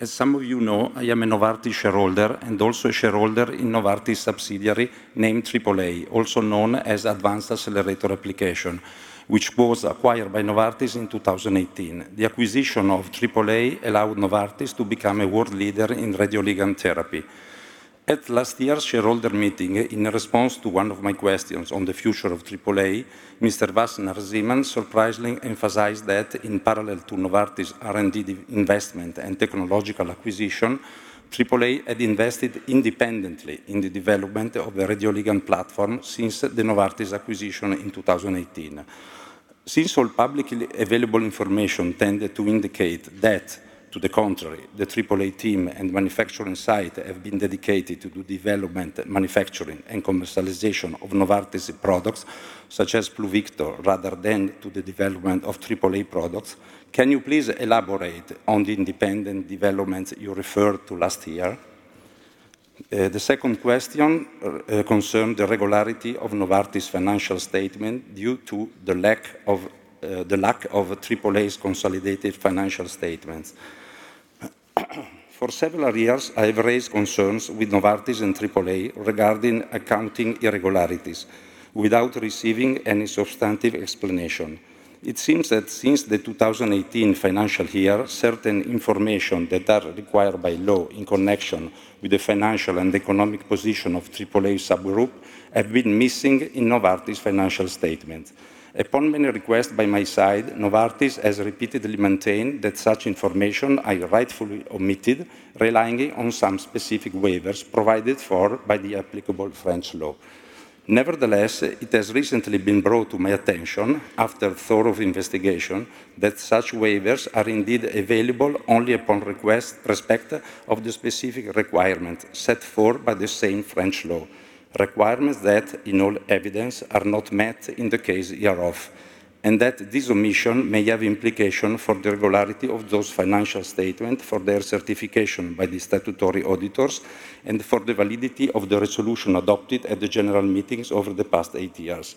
As some of you know, I am a Novartis shareholder and also a shareholder in Novartis subsidiary named AAA, also known as Advanced Accelerator Applications, which was acquired by Novartis in 2018. The acquisition of AAA allowed Novartis to become a world leader in radioligand therapy. At last year's shareholder meeting, in response to one of my questions on the future of AAA, Mr. Vas Narasimhan surprisingly emphasized that in parallel to Novartis R&D investment and technological acquisition, AAA had invested independently in the development of the radioligand platform since the Novartis acquisition in 2018. Since all publicly available information tended to indicate that, to the contrary, the AAA team and manufacturing site have been dedicated to development, manufacturing, and commercialization of Novartis products, such as Pluvicto, rather than to the development of AAA products. Can you please elaborate on the independent developments you referred to last year? The second question concerned the regularity of Novartis financial statement due to the lack of AAA's consolidated financial statements. For several years, I have raised concerns with Novartis and AAA regarding accounting irregularities without receiving any substantive explanation. It seems that since the 2018 financial year, certain information that are required by law in connection with the financial and economic position of AAA subgroup have been missing in Novartis financial statement. Upon many requests by my side, Novartis has repeatedly maintained that such information are rightfully omitted, relying on some specific waivers provided for by the applicable French law. Nevertheless, it has recently been brought to my attention, after thorough investigation, that such waivers are indeed available only upon request respect of the specific requirement set forth by the same French law, requirements that, in all evidence, are not met in the case hereof, and that this omission may have implication for the regularity of those financial statement for their certification by the statutory auditors and for the validity of the resolution adopted at the general meetings over the past eight years.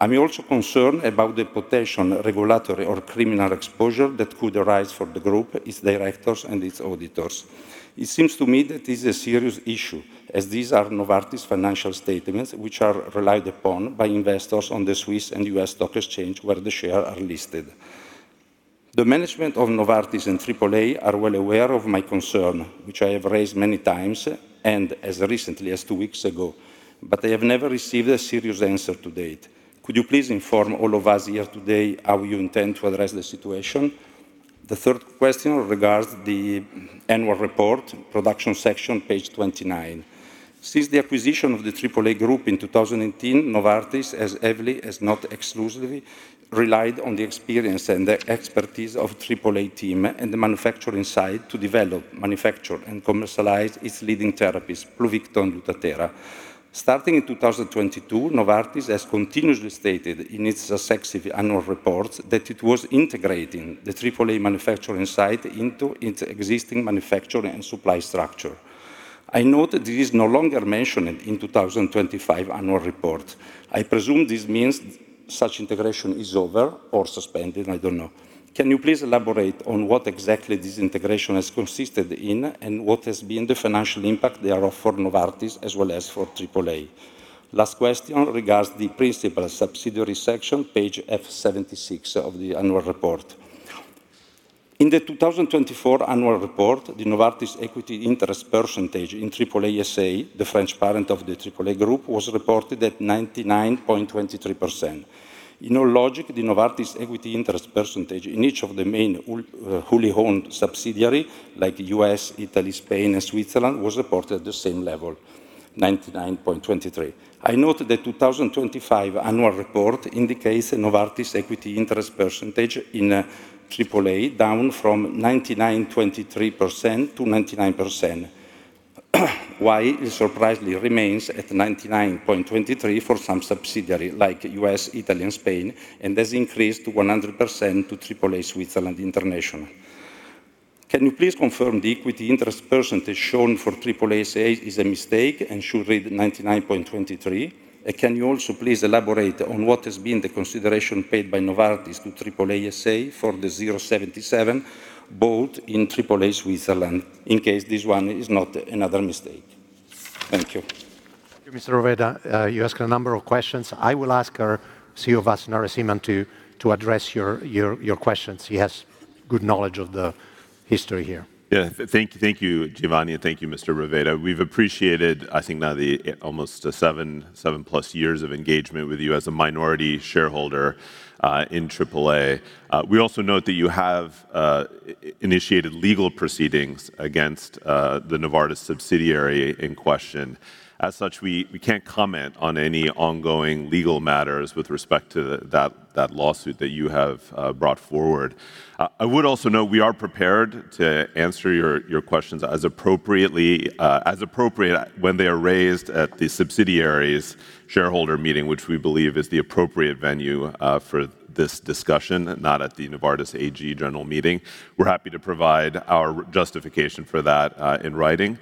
I'm also concerned about the potential regulatory or criminal exposure that could arise for the group, its directors, and its auditors. It seems to me that this is a serious issue, as these are Novartis financial statements which are relied upon by investors on the Swiss and U.S. stock exchange where the share are listed. The management of Novartis and AAA are well aware of my concern, which I have raised many times and as recently as two weeks ago, but I have never received a serious answer to date. Could you please inform all of us here today how you intend to address the situation? The third question regards the annual report production section, page 29. Since the acquisition of the AAA group in 2018, Novartis as heavily as not exclusively relied on the experience and the expertise of AAA team and the manufacturing site to develop, manufacture, and commercialize its leading therapies, Pluvicto and Lutathera. Starting in 2022, Novartis has continuously stated in its successive annual reports that it was integrating the AAA manufacturing site into its existing manufacturing and supply structure. I know that this is no longer mentioned in 2025 annual report. I presume this means such integration is over or suspended, I don't know. Can you please elaborate on what exactly this integration has consisted in and what has been the financial impact thereof for Novartis as well as for AAA? Last question regards the principal subsidiary section, page F-76 of the annual report. In the 2024 annual report, the Novartis equity interest percentage in AAA S.A., the French parent of the AAA Group, was reported at 99.23%. In all logic, the Novartis equity interest percentage in each of the main wholly owned subsidiary, like U.S., Italy, Spain, and Switzerland, was reported at the same level, 99.23. I note the 2025 annual report indicates a Novartis equity interest percentage in AAA down from 99.23% to 99%. It surprisingly remains at 99.23 for some subsidiary like U.S., Italy, and Spain, and has increased to 100% to AAA Switzerland International? Can you please confirm the equity interest percentage shown for AAA S.A. is a mistake and should read 99.23? Can you also please elaborate on what has been the consideration paid by Novartis to AAA S.A. for the 0.77 bought in AAA Switzerland, in case this one is not another mistake? Thank you. Thank you, Mr. Roveda. You asked a number of questions. I will ask our CEO, Vas Narasimhan, to address your questions. He has good knowledge of the history here. Thank you. Thank you, Giovanni, and thank you, Mr. Roveda. We've appreciated, I think now the almost 7+ years of engagement with you as a minority shareholder in AAA. We also note that you have initiated legal proceedings against the Novartis subsidiary in question. As such, we can't comment on any ongoing legal matters with respect to that lawsuit that you have brought forward. I would also note we are prepared to answer your questions as appropriately as appropriate when they are raised at the subsidiary's shareholder meeting, which we believe is the appropriate venue for this discussion, not at the Novartis AG General Meeting. We're happy to provide our justification for that in writing.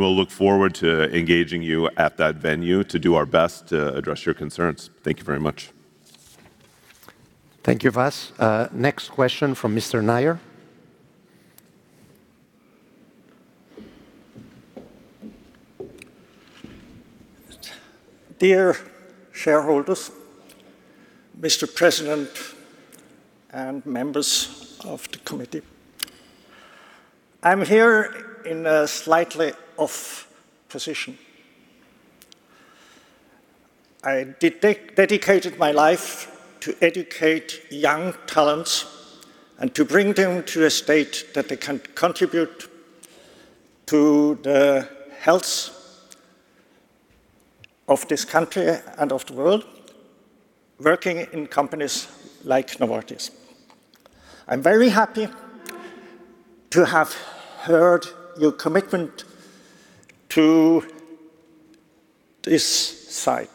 We'll look forward to engaging you at that venue to do our best to address your concerns. Thank you very much. Thank you, Vas. Next question from Mr. Nayar. Dear shareholders, Mr. President, and members of the committee. I'm here in a slightly off position. I dedicated my life to educate young talents and to bring them to a state that they can contribute to the health of this country and of the world, working in companies like Novartis. I'm very happy to have heard your commitment to this site,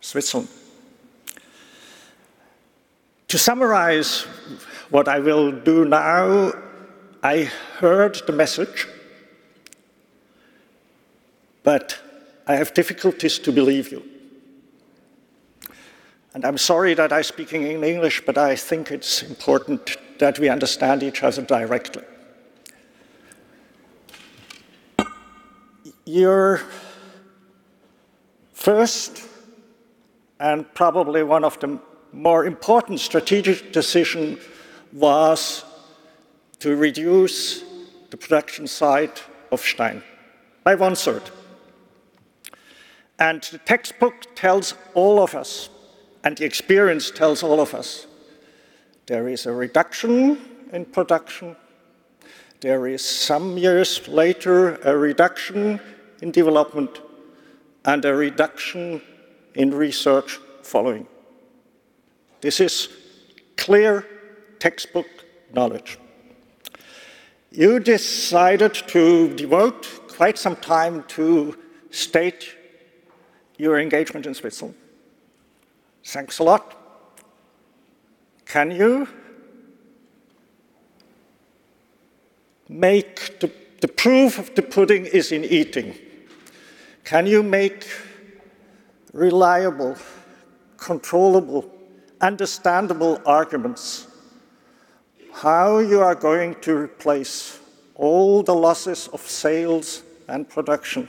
Switzerland. To summarize what I will do now, I heard the message, I have difficulties to believe you. I'm sorry that I'm speaking in English, I think it's important that we understand each other directly. Your first, and probably one of the more important strategic decision, was to reduce the production site of Stein by 1/3. The textbook tells all of us, and the experience tells all of us, there is a reduction in production, there is some years later a reduction in development, and a reduction in research following. This is clear textbook knowledge. You decided to devote quite some time to state your engagement in Switzerland. Thanks a lot. Can you make the proof of the pudding is in eating. Can you make reliable, controllable, understandable arguments how you are going to replace all the losses of sales and production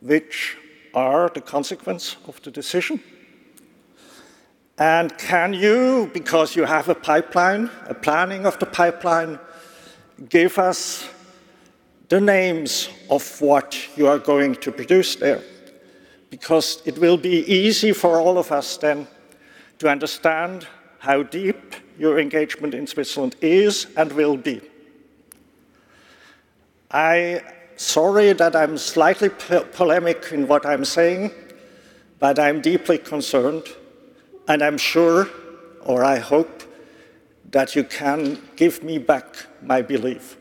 which are the consequence of the decision? Can you, because you have a pipeline, a planning of the pipeline, give us the names of what you are going to produce there? It will be easy for all of us then to understand how deep your engagement in Switzerland is and will be. I sorry that I'm slightly polemic in what I'm saying. I'm deeply concerned. I'm sure, or I hope, that you can give me back my belief.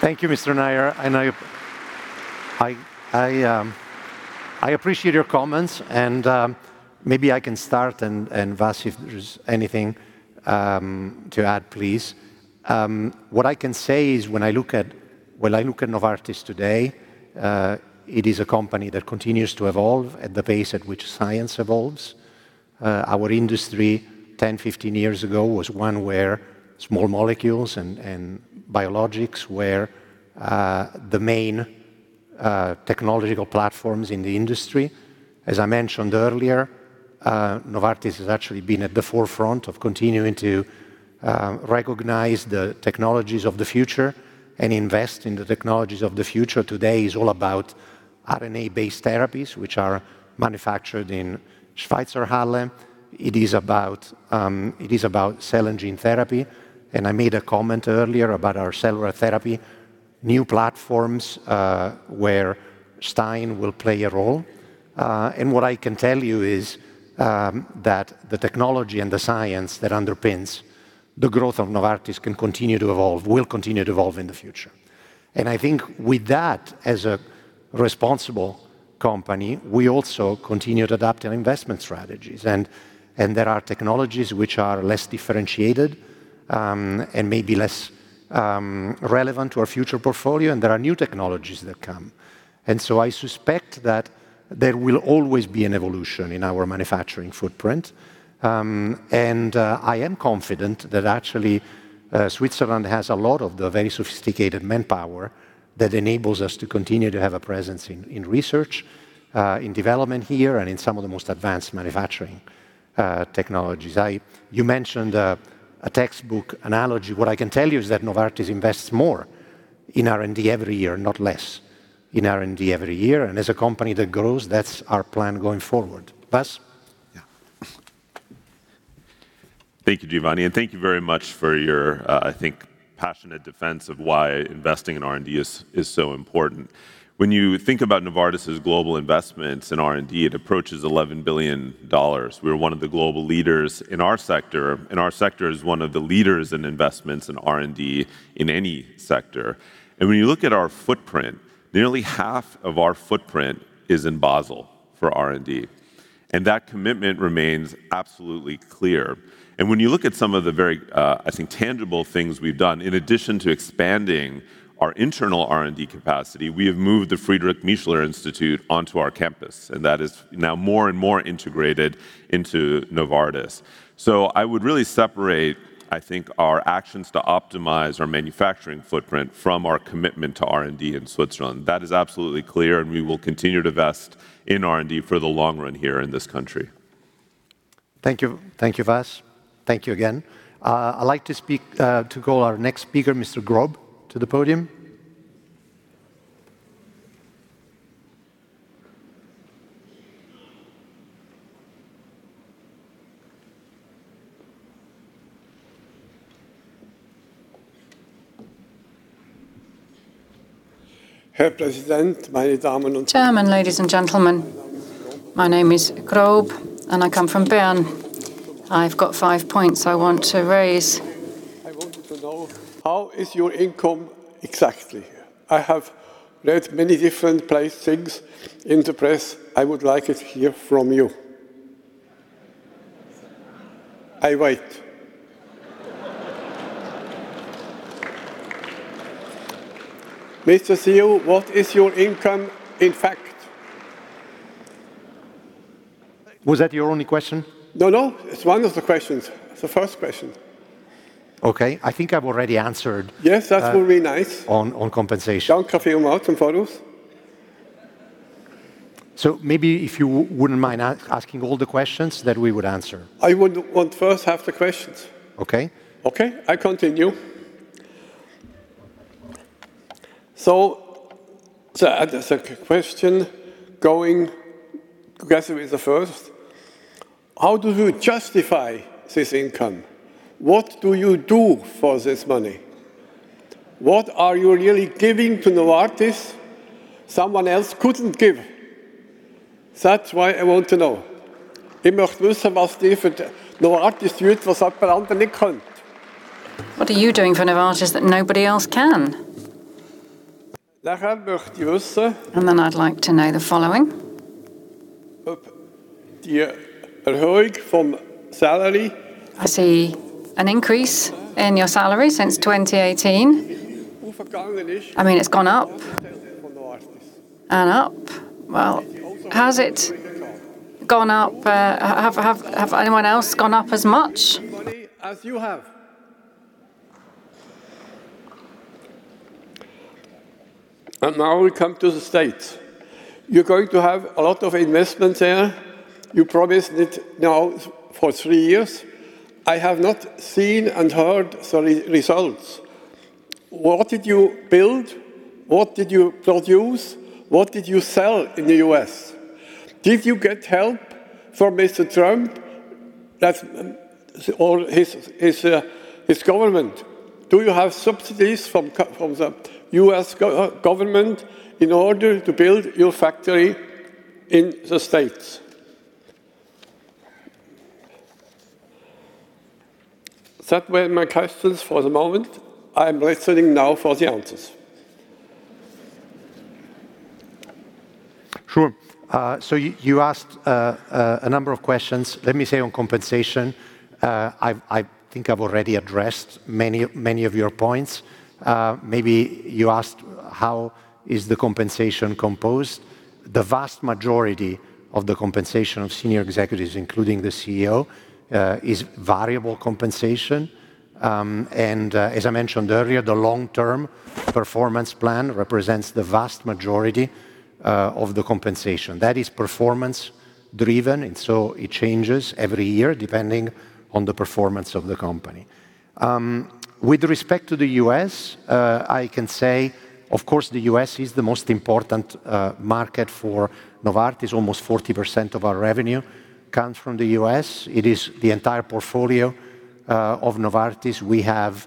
Thank you, Mr. Nayar. I appreciate your comments and maybe I can start, and Vas, if there's anything to add, please. What I can say is when I look at Novartis today, it is a company that continues to evolve at the pace at which science evolves. Our industry 10, 15 years ago was one where small molecules and biologics were the main technological platforms in the industry. As I mentioned earlier, Novartis has actually been at the forefront of continuing to recognize the technologies of the future and invest in the technologies of the future. Today is all about RNA-based therapies, which are manufactured in Schweizerhalle. It is about, it is about cell and gene therapy, and I made a comment earlier about our cellular therapy, new platforms, where Stein will play a role. What I can tell you is that the technology and the science that underpins the growth of Novartis can continue to evolve, will continue to evolve in the future. I think with that, as a responsible company, we also continue to adapt our investment strategies and there are technologies which are less differentiated, and maybe less relevant to our future portfolio, and there are new technologies that come. I suspect that there will always be an evolution in our manufacturing footprint. I am confident that actually Switzerland has a lot of the very sophisticated manpower that enables us to continue to have a presence in research, in development here, and in some of the most advanced manufacturing technologies. You mentioned a textbook analogy. What I can tell you is that Novartis invests more in R&D every year, not less in R&D every year. As a company that grows, that's our plan going forward. Vas? Yeah. Thank you, Giovanni, thank you very much for your, I think, passionate defense of why investing in R&D is so important. When you think about Novartis' global investments in R&D, it approaches $11 billion. We're one of the global leaders in our sector, our sector is one of the leaders in investments in R&D in any sector. When you look at our footprint, nearly half of our footprint is in Basel for R&D, that commitment remains absolutely clear. When you look at some of the very, I think, tangible things we've done, in addition to expanding our internal R&D capacity, we have moved the Friedrich Miescher Institute onto our campus, that is now more and more integrated into Novartis. I would really separate, I think, our actions to optimize our manufacturing footprint from our commitment to R&D in Switzerland. That is absolutely clear, and we will continue to vest in R&D for the long run here in this country. Thank you. Thank you, Vas. Thank you again. I'd like to call our next speaker, Mr. Grob, to the podium. Herr Präsident, meine Damen und Herren. Chairman, ladies and gentlemen. My name is Grob, and I come from Bern. I've got five points I want to raise. I want to know how is your income exactly? I have read many different place things in the press. I would like it hear from you. I wait. Mr. CEO, what is your income in fact? Was that your only question? No, no, it's one of the questions. It's the first question. Okay. I think I've already answered- Yes, that would be nice. On compensation. Maybe if you wouldn't mind asking all the questions that we would answer. I would want first half the questions. Okay. Okay. I continue. A, the second question going together with the first, how do you justify this income? What do you do for this money? What are you really giving to Novartis someone else couldn't give? That's why I want to know. What are you doing for Novartis that nobody else can? I'd like to know the following. I see an increase in your salary since 2018. I mean, it's gone up and up. Has it gone up, have anyone else gone up as much? Money as you have. Now we come to the States. You're going to have a lot of investments there. You promised it now for three years. I have not seen and heard the re-results. What did you build? What did you produce? What did you sell in the U.S.? Did you get help from Mr. Trump that or his government? Do you have subsidies from the U.S. government in order to build your factory in the States? That were my questions for the moment. I'm listening now for the answers. Sure. You asked a number of questions. Let me say on compensation, I think I've already addressed many of your points. Maybe you asked how is the compensation composed? The vast majority of the compensation of senior executives, including the CEO, is variable compensation. As I mentioned earlier, the long-term performance plan represents the vast majority of the compensation. That is performance driven, it changes every year depending on the performance of the company. With respect to the U.S., I can say, of course, the U.S. is the most important market for Novartis. Almost 40% of our revenue comes from the U.S. It is the entire portfolio of Novartis. We have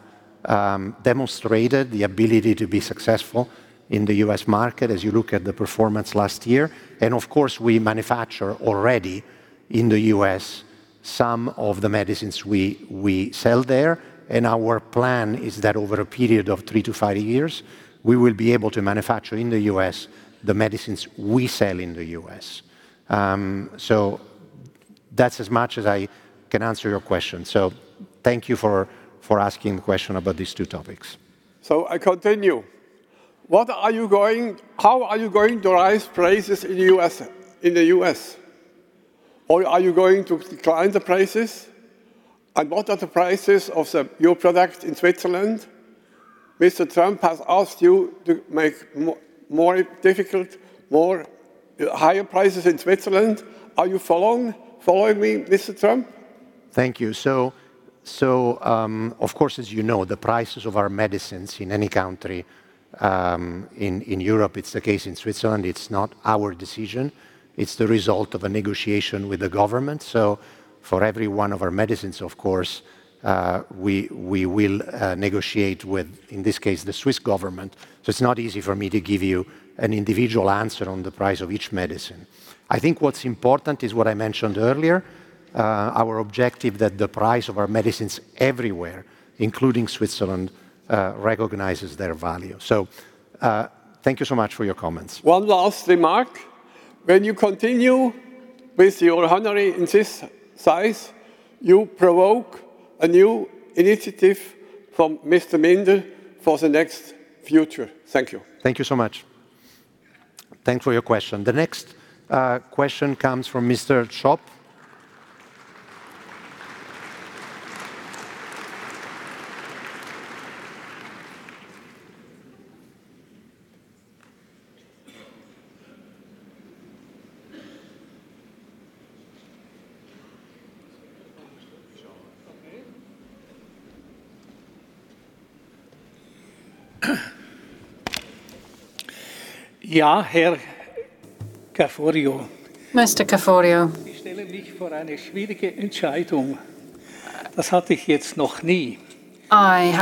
demonstrated the ability to be successful in the U.S. market as you look at the performance last year. Of course, we manufacture already in the U.S. some of the medicines we sell there. Our plan is that over a period of three to five years, we will be able to manufacture in the U.S. the medicines we sell in the U.S. That's as much as I can answer your question. Thank you for asking the question about these two topics. I continue. What are you going to rise prices in U.S., in the U.S.? Or are you going to decline the prices? What are the prices of the new product in Switzerland? Mr. Trump has asked you to make more difficult, more higher prices in Switzerland. Are you following me, Mr. Trump? Thank you. Of course, as you know, the prices of our medicines in any country, in Europe, it's the case in Switzerland, it's not our decision. It's the result of a negotiation with the government. For every one of our medicines, of course, we will negotiate with, in this case, the Swiss government. It's not easy for me to give you an individual answer on the price of each medicine. I think what's important is what I mentioned earlier, our objective that the price of our medicines everywhere, including Switzerland, recognizes their value. Thank you so much for your comments. One last remark. When you continue with your honorary in this size, you provoke a new initiative from Mr. Minder for the next future. Thank you. Thank you so much. Thanks for your question. The next question comes from Mr. Tschopp. Yeah, Herr Caforio. Mr. Caforio. I have a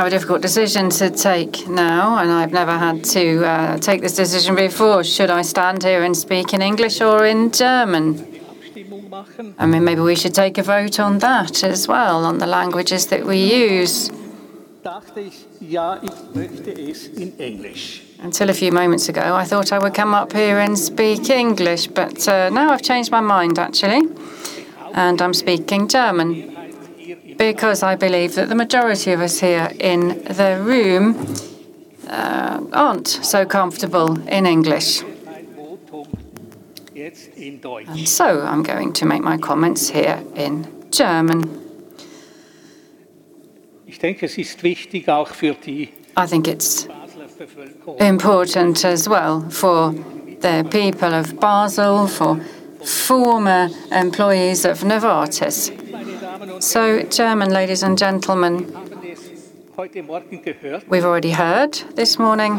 difficult decision to take now. I've never had to take this decision before. Should I stand here and speak in English or in German? I mean, maybe we should take a vote on that as well, on the languages that we use. Until a few moments ago, I thought I would come up here and speak English. Now I've changed my mind, actually, and I'm speaking German because I believe that the majority of us here in the room aren't so comfortable in English. I'm going to make my comments here in German. I think it's important as well for the people of Basel, for former employees of Novartis. German ladies and gentlemen, we've already heard this morning,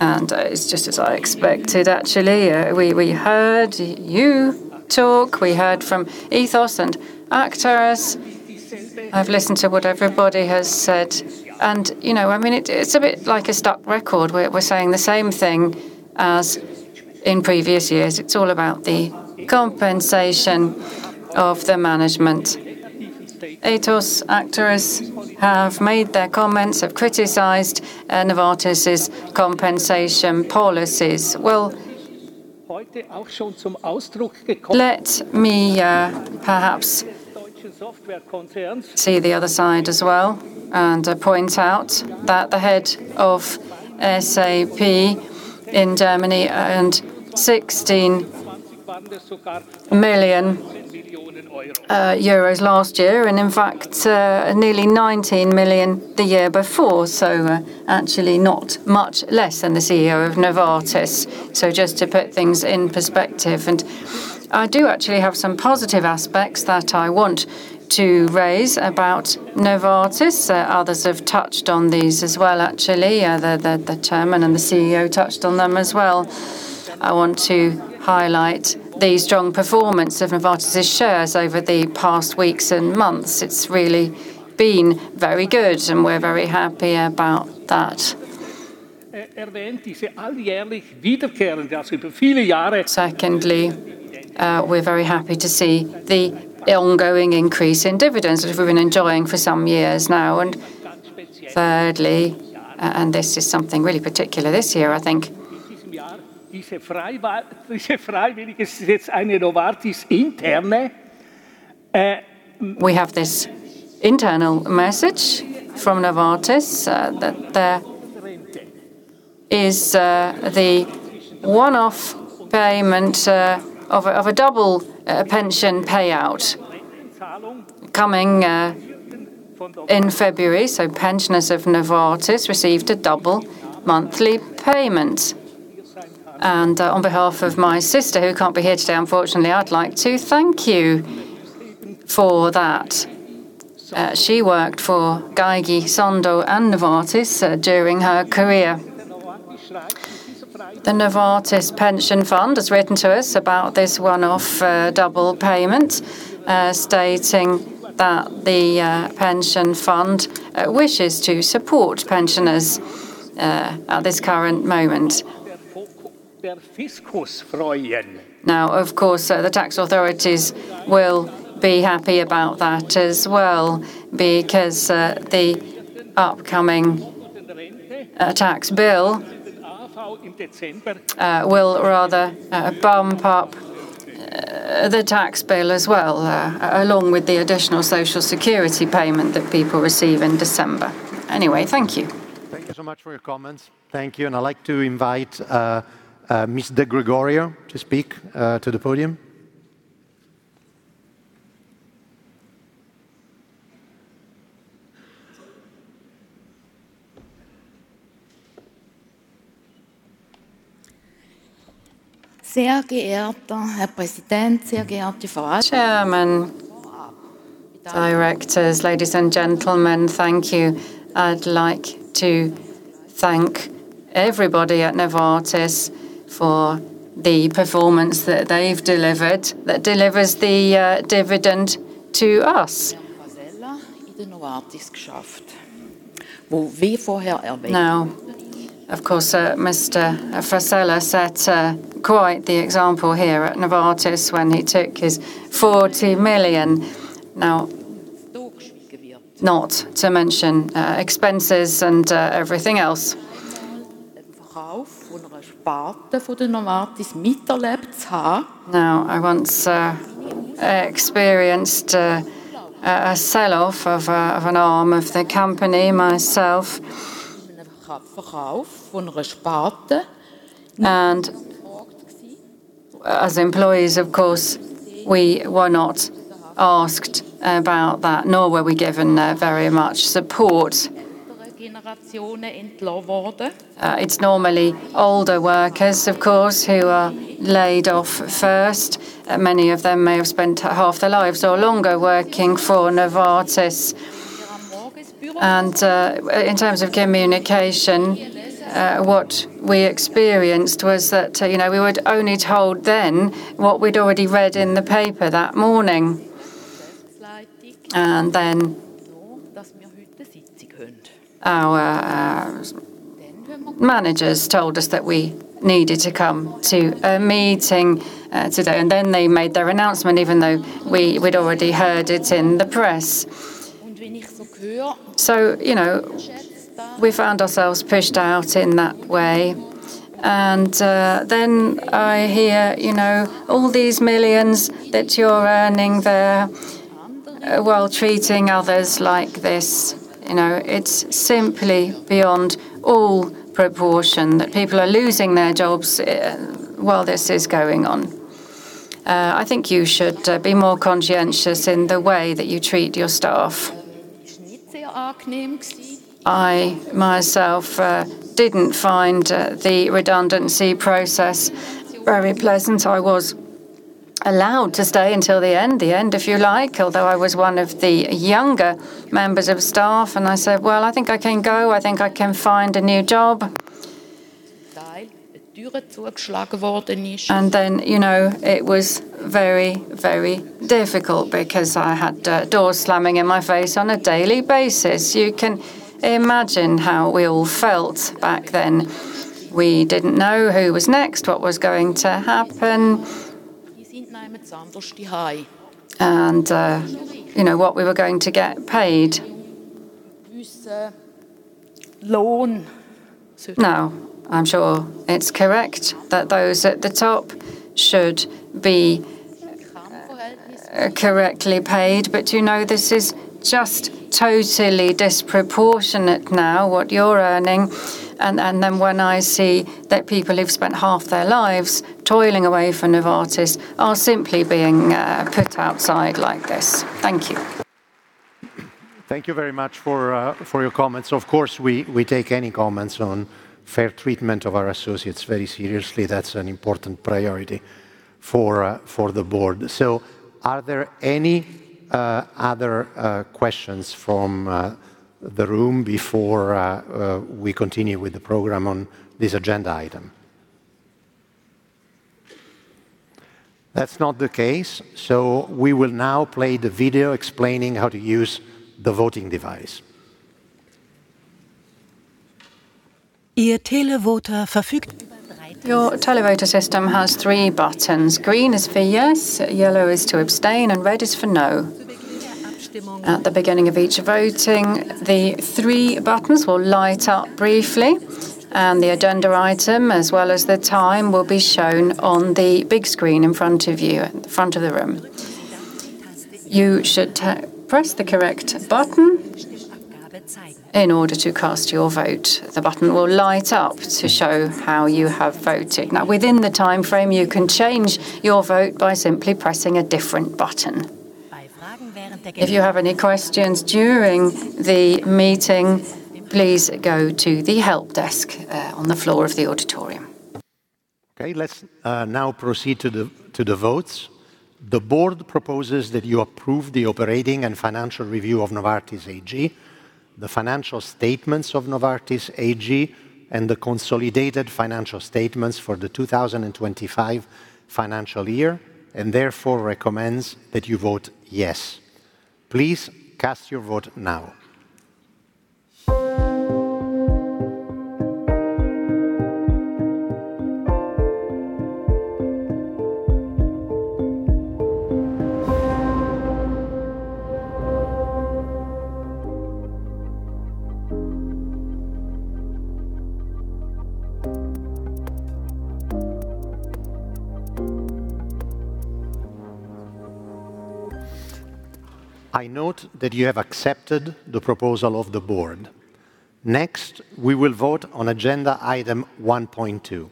and it's just as I expected, actually. We heard you talk. We heard from Ethos and Actares. I've listened to what everybody has said. You know, I mean, it's a bit like a stuck record. We're saying the same thing as in previous years. It's all about the compensation of the management. Ethos, Actares have made their comments, have criticized Novartis' compensation policies. Let me perhaps see the other side as well and point out that the head of SAP in Germany earned 16 million euros last year, and in fact, nearly 19 million the year before. Actually not much less than the CEO of Novartis. Just to put things in perspective. I do actually have some positive aspects that I want to raise about Novartis. Others have touched on these as well, actually. The chairman and the CEO touched on them as well. I want to highlight the strong performance of Novartis' shares over the past weeks and months. It's really been very good, and we're very happy about that. Secondly, we're very happy to see the ongoing increase in dividends that we've been enjoying for some years now. Thirdly, and this is something really particular this year, I think. We have this internal message from Novartis, that there is the one-off payment of a double pension payout coming in February, so pensioners of Novartis received a double monthly payment. On behalf of my sister, who can't be here today, unfortunately, I'd like to thank you for that. She worked for Geigy, Sandoz, and Novartis during her career. The Novartis Pension Fund has written to us about this one-off, double payment, stating that the pension fund wishes to support pensioners at this current moment. Of course, the tax authorities will be happy about that as well because the upcomingA tax bill will rather bump up the tax bill as well, along with the additional Social Security payment that people receive in December. Anyway, thank you. Thank you so much for your comments. Thank you. I'd like to invite, Ms. De Gregorio to speak, to the podium. Chairman, directors, ladies and gentlemen, thank you. I'd like to thank everybody at Novartis for the performance that they've delivered that delivers the dividend to us. Of course, Mr. Vasella set quite the example here at Novartis when he took his $40 million. Not to mention expenses and everything else. I once experienced a sell-off of an arm of the company myself. As employees, of course, we were not asked about that, nor were we given very much support. It's normally older workers, of course, who are laid off first. Many of them may have spent half their lives or longer working for Novartis. In terms of communication, what we experienced was that, you know, we were only told then what we'd already read in the paper that morning. Our managers told us that we needed to come to a meeting today, and then they made their announcement even though we'd already heard it in the press. You know, we found ourselves pushed out in that way. Then I hear, you know, all these millions that you're earning there, while treating others like this, you know, it's simply beyond all proportion that people are losing their jobs while this is going on. I think you should be more conscientious in the way that you treat your staff. I myself didn't find the redundancy process very pleasant. I was allowed to stay until the end, the end if you like, although I was one of the younger members of staff, and I said, "Well, I think I can go. I think I can find a new job." Then, you know, it was very, very difficult because I had doors slamming in my face on a daily basis. You can imagine how we all felt back then. We didn't know who was next, what was going to happen. You know, what we were going to get paid. Now, I'm sure it's correct that those at the top should be correctly paid. You know, this is just totally disproportionate now what you're earning. Then when I see that people who've spent half their lives toiling away for Novartis are simply being put outside like this. Thank you. Thank you very much for your comments. Of course, we take any comments on fair treatment of our associates very seriously. That's an important priority for the board. Are there any other questions from the room before we continue with the program on this agenda item? That's not the case, so we will now play the video explaining how to use the voting device. Your televoter system has three buttons. Green is for yes, yellow is to abstain, and red is for no. At the beginning of each voting, the three buttons will light up briefly, and the agenda item as well as the time will be shown on the big screen in front of you, at the front of the room. You should press the correct button in order to cast your vote. The button will light up to show how you have voted. Within the timeframe, you can change your vote by simply pressing a different button. If you have any questions during the meeting, please go to the help desk on the floor of the auditorium. Okay, let's now proceed to the votes. The board proposes that you approve the operating and financial review of Novartis AG, the financial statements of Novartis AG, and the consolidated financial statements for the 2025 financial year, and therefore recommends that you vote Yes. Please cast your vote now. I note that you have accepted the proposal of the board. We will vote on agenda item 1.2.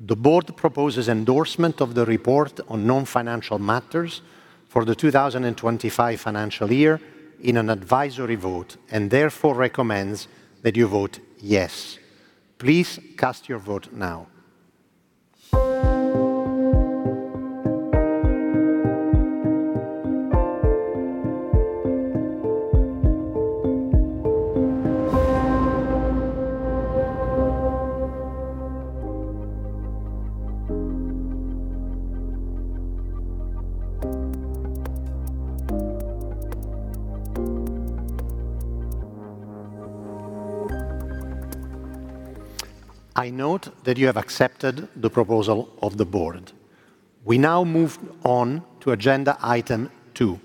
The board proposes endorsement of the report on non-financial matters for the 2025 financial year in an advisory vote, and therefore recommends that you vote "Yes". Please cast your vote now. I note that you have accepted the proposal of the board. We now move on to agenda item two,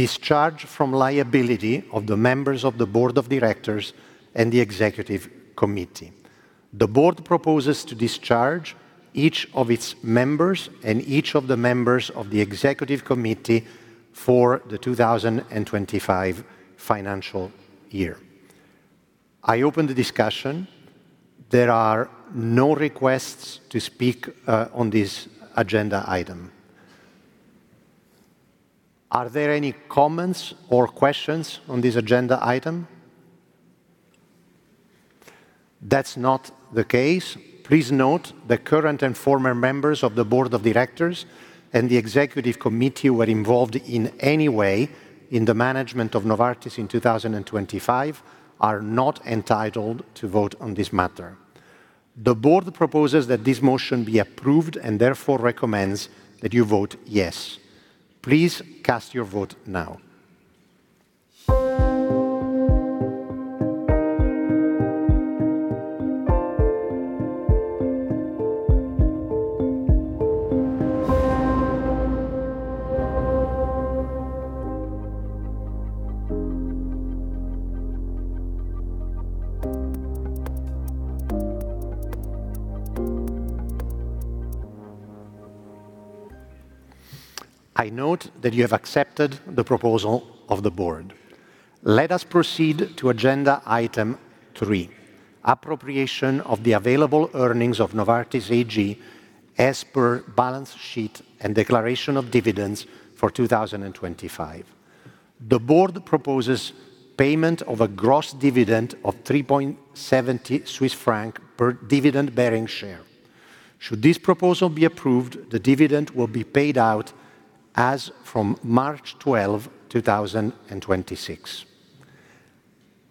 discharge from liability of the members of the board of directors and the executive committee. The board proposes to discharge each of its members and each of the members of the Executive Committee for the 2025 financial year. I open the discussion. There are no requests to speak on this agenda item. Are there any comments or questions on this agenda item? That's not the case. Please note the current and former members of the Board of Directors and the Executive Committee who were involved in any way in the management of Novartis in 2025 are not entitled to vote on this matter. The board proposes that this motion be approved and therefore recommends that you vote "Yes". Please cast your vote now. I note that you have accepted the proposal of the board. Let us proceed to agenda item three, appropriation of the available earnings of Novartis AG as per balance sheet and declaration of dividends for 2025. The board proposes payment of a gross dividend of 3.70 Swiss francs per dividend-bearing share. Should this proposal be approved, the dividend will be paid out as from March 12, 2026.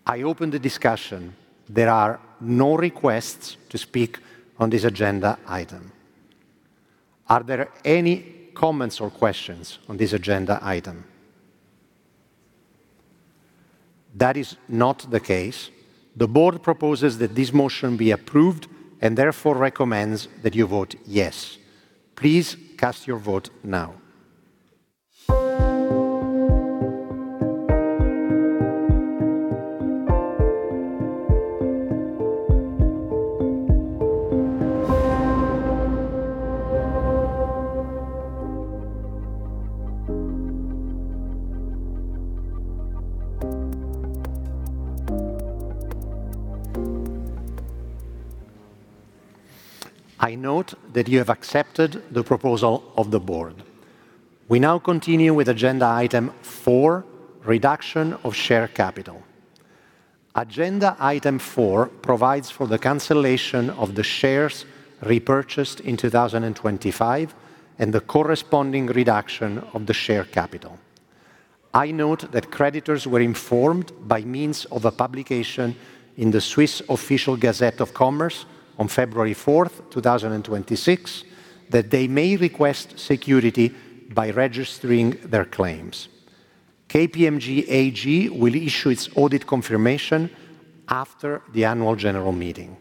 I open the discussion. There are no requests to speak on this agenda item. Are there any comments or questions on this agenda item? That is not the case. The board proposes that this motion be approved and therefore recommends that you vote "Yes". Please cast your vote now. I note that you have accepted the proposal of the board. We now continue with agenda item four, reduction of share capital. Agenda item four provides for the cancellation of the shares repurchased in 2025 and the corresponding reduction of the share capital. I note that creditors were informed by means of a publication in the Swiss Official Gazette of Commerce on February 4, 2026, that they may request security by registering their claims. KPMG AG will issue its audit confirmation after the Annual General Meeting.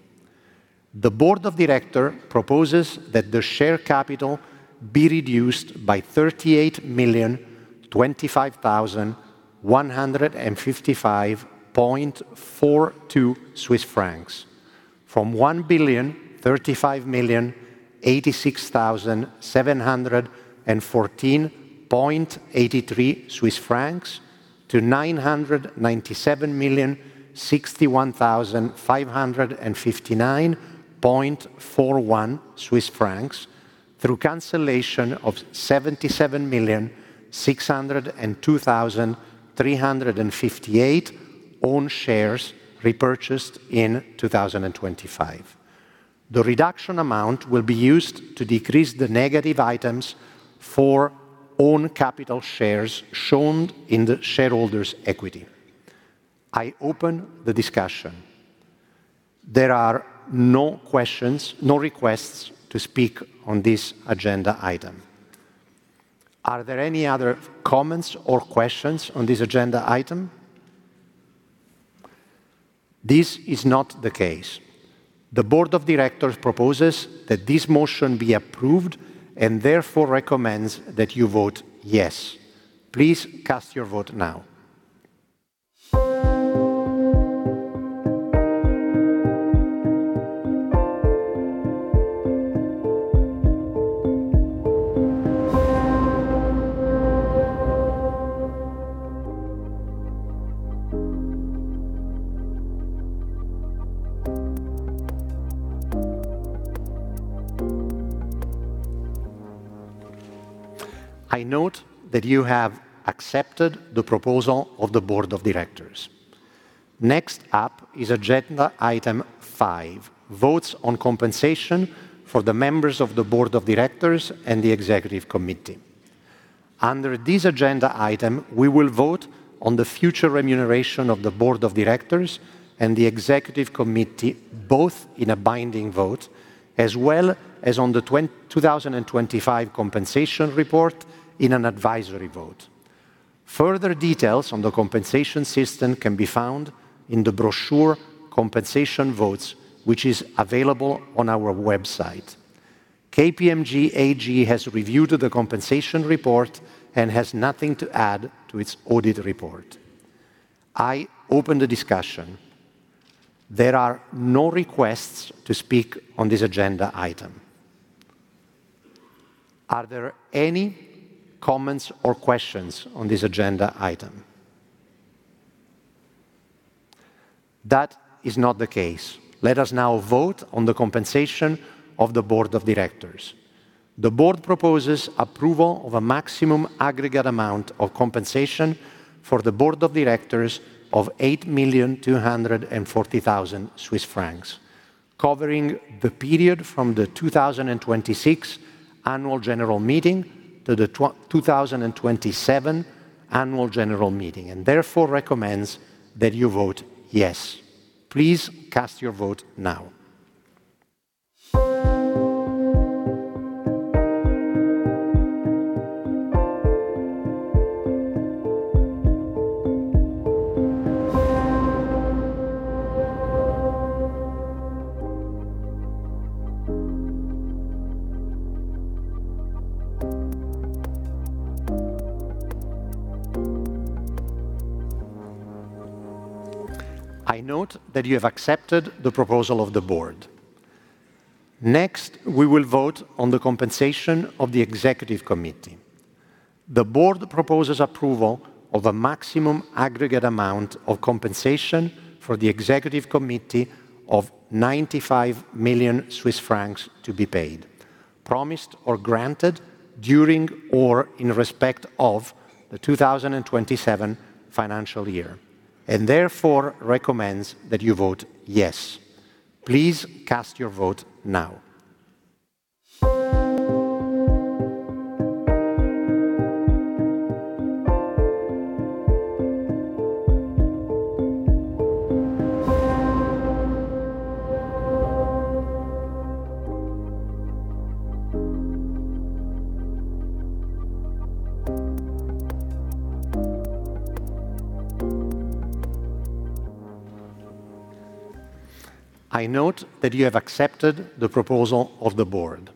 The board of director proposes that the share capital be reduced by 38,025,155.42 Swiss francs from 1,035,086,714.83 Swiss francs to 997,061,559.41 Swiss francs through cancellation of 77,602,358 own shares repurchased in 2025. The reduction amount will be used to decrease the negative items for own capital shares shown in the shareholders' equity. I open the discussion. There are no questions, no requests to speak on this agenda item. Are there any other comments or questions on this agenda item? This is not the case. The board of directors proposes that this motion be approved and therefore recommends that you vote yes. Please cast your vote now. I note that you have accepted the proposal of the board of directors. Next up is agenda item five, votes on compensation for the members of the board of directors and the executive committee. Under this agenda item, we will vote on the future remuneration of the board of directors and the executive committee, both in a binding vote, as well as on the 2025 compensation report in an advisory vote. Further details on the compensation system can be found in the brochure Compensation Votes, which is available on our website. KPMG AG has reviewed the compensation report and has nothing to add to its audit report. I open the discussion. There are no requests to speak on this agenda item. Are there any comments or questions on this agenda item? That is not the case. Let us now vote on the compensation of the board of directors. The board proposes approval of a maximum aggregate amount of compensation for the board of directors of 8,240,000 Swiss francs, covering the period from the 2026 Annual General Meeting to the 2027 Annual General Meeting, and therefore recommends that you vote yes. Please cast your vote now. I note that you have accepted the proposal of the board. Next, we will vote on the compensation of the executive committee. The board proposes approval of a maximum aggregate amount of compensation for the executive committee of 95 million Swiss francs to be paid, promised or granted during or in respect of the 2027 financial year, and therefore recommends that you vote yes. Please cast your vote now. I note that you have accepted the proposal of the board.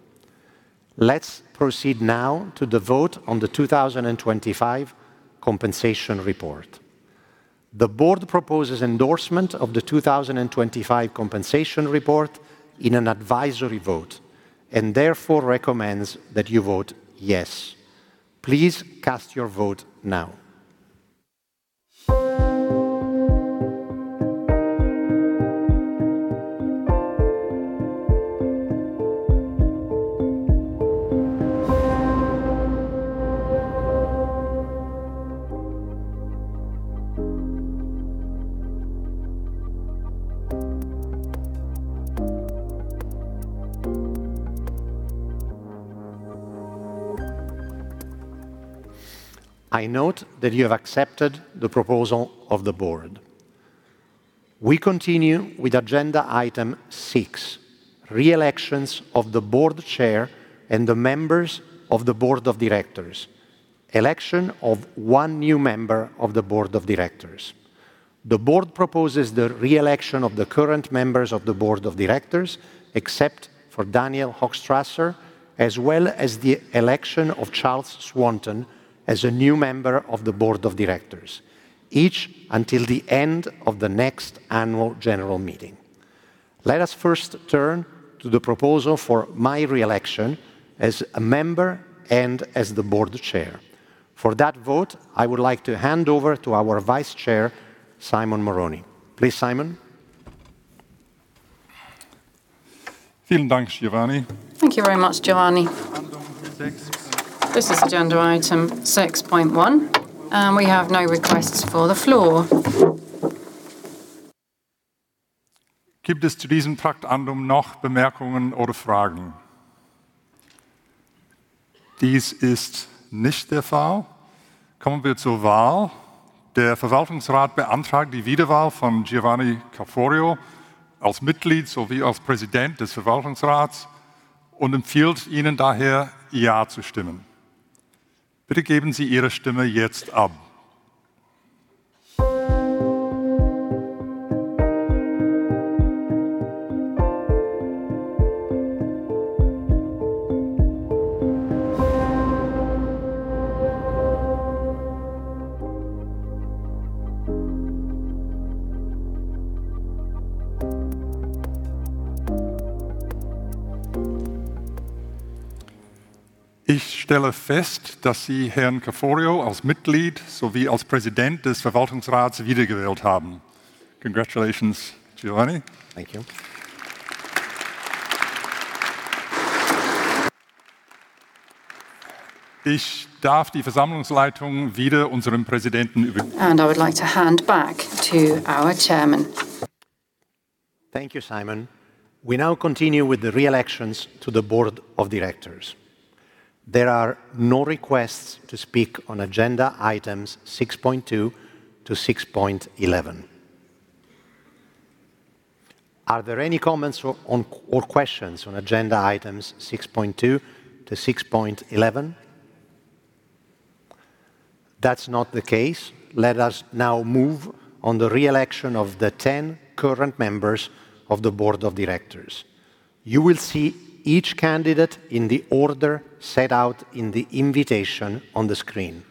Let's proceed now to the vote on the 2025 compensation report. The board proposes endorsement of the 2025 compensation report in an advisory vote and therefore recommends that you vote yes. Please cast your vote now. I note that you have accepted the proposal of the board. We continue with agenda item 6, reelections of the board chair and the members of the board of directors. Election of one new member of the board of directors. The board proposes the reelection of the current members of the board of directors, except for Daniel Hochstrasser, as well as the election of Charles Swanton as a new member of the board of directors, each until the end of the next Annual General Meeting. Let us first turn to the proposal for my reelection as a member and as the board chair. For that vote, I would like to hand over to our vice chair, Simon Moroney. Please, Simon. Vielen Dank, Giovanni. Thank you very much, Giovanni. This is agenda item 6.1. We have no requests for the floor. Gibt es zu diesem Traktandum noch Bemerkungen oder Fragen? Dies ist nicht der Fall. Kommen wir zur Wahl. Der Verwaltungsrat beantragt die Wiederwahl von Giovanni Caforio als Mitglied sowie als Präsident des Verwaltungsrats und empfiehlt Ihnen daher, Ja zu stimmen. Bitte geben Sie Ihre Stimme jetzt ab. Ich stelle fest, dass Sie Herrn Caforio als Mitglied sowie als Präsident des Verwaltungsrats wiedergewählt haben. Congratulations, Giovanni. Thank you. Ich darf die Versammlungsleitung wieder unserem Präsidenten über- I would like to hand back to our chairman. Thank you, Simon. We now continue with the reelections to the board of directors. There are no requests to speak on agenda items 6.2 to 6.11. Are there any comments or questions on agenda items 6.2 to 6.11? That's not the case. Let us now move on the reelection of the 10 current members of the board of directors. You will see each candidate in the order set out in the invitation on the screen,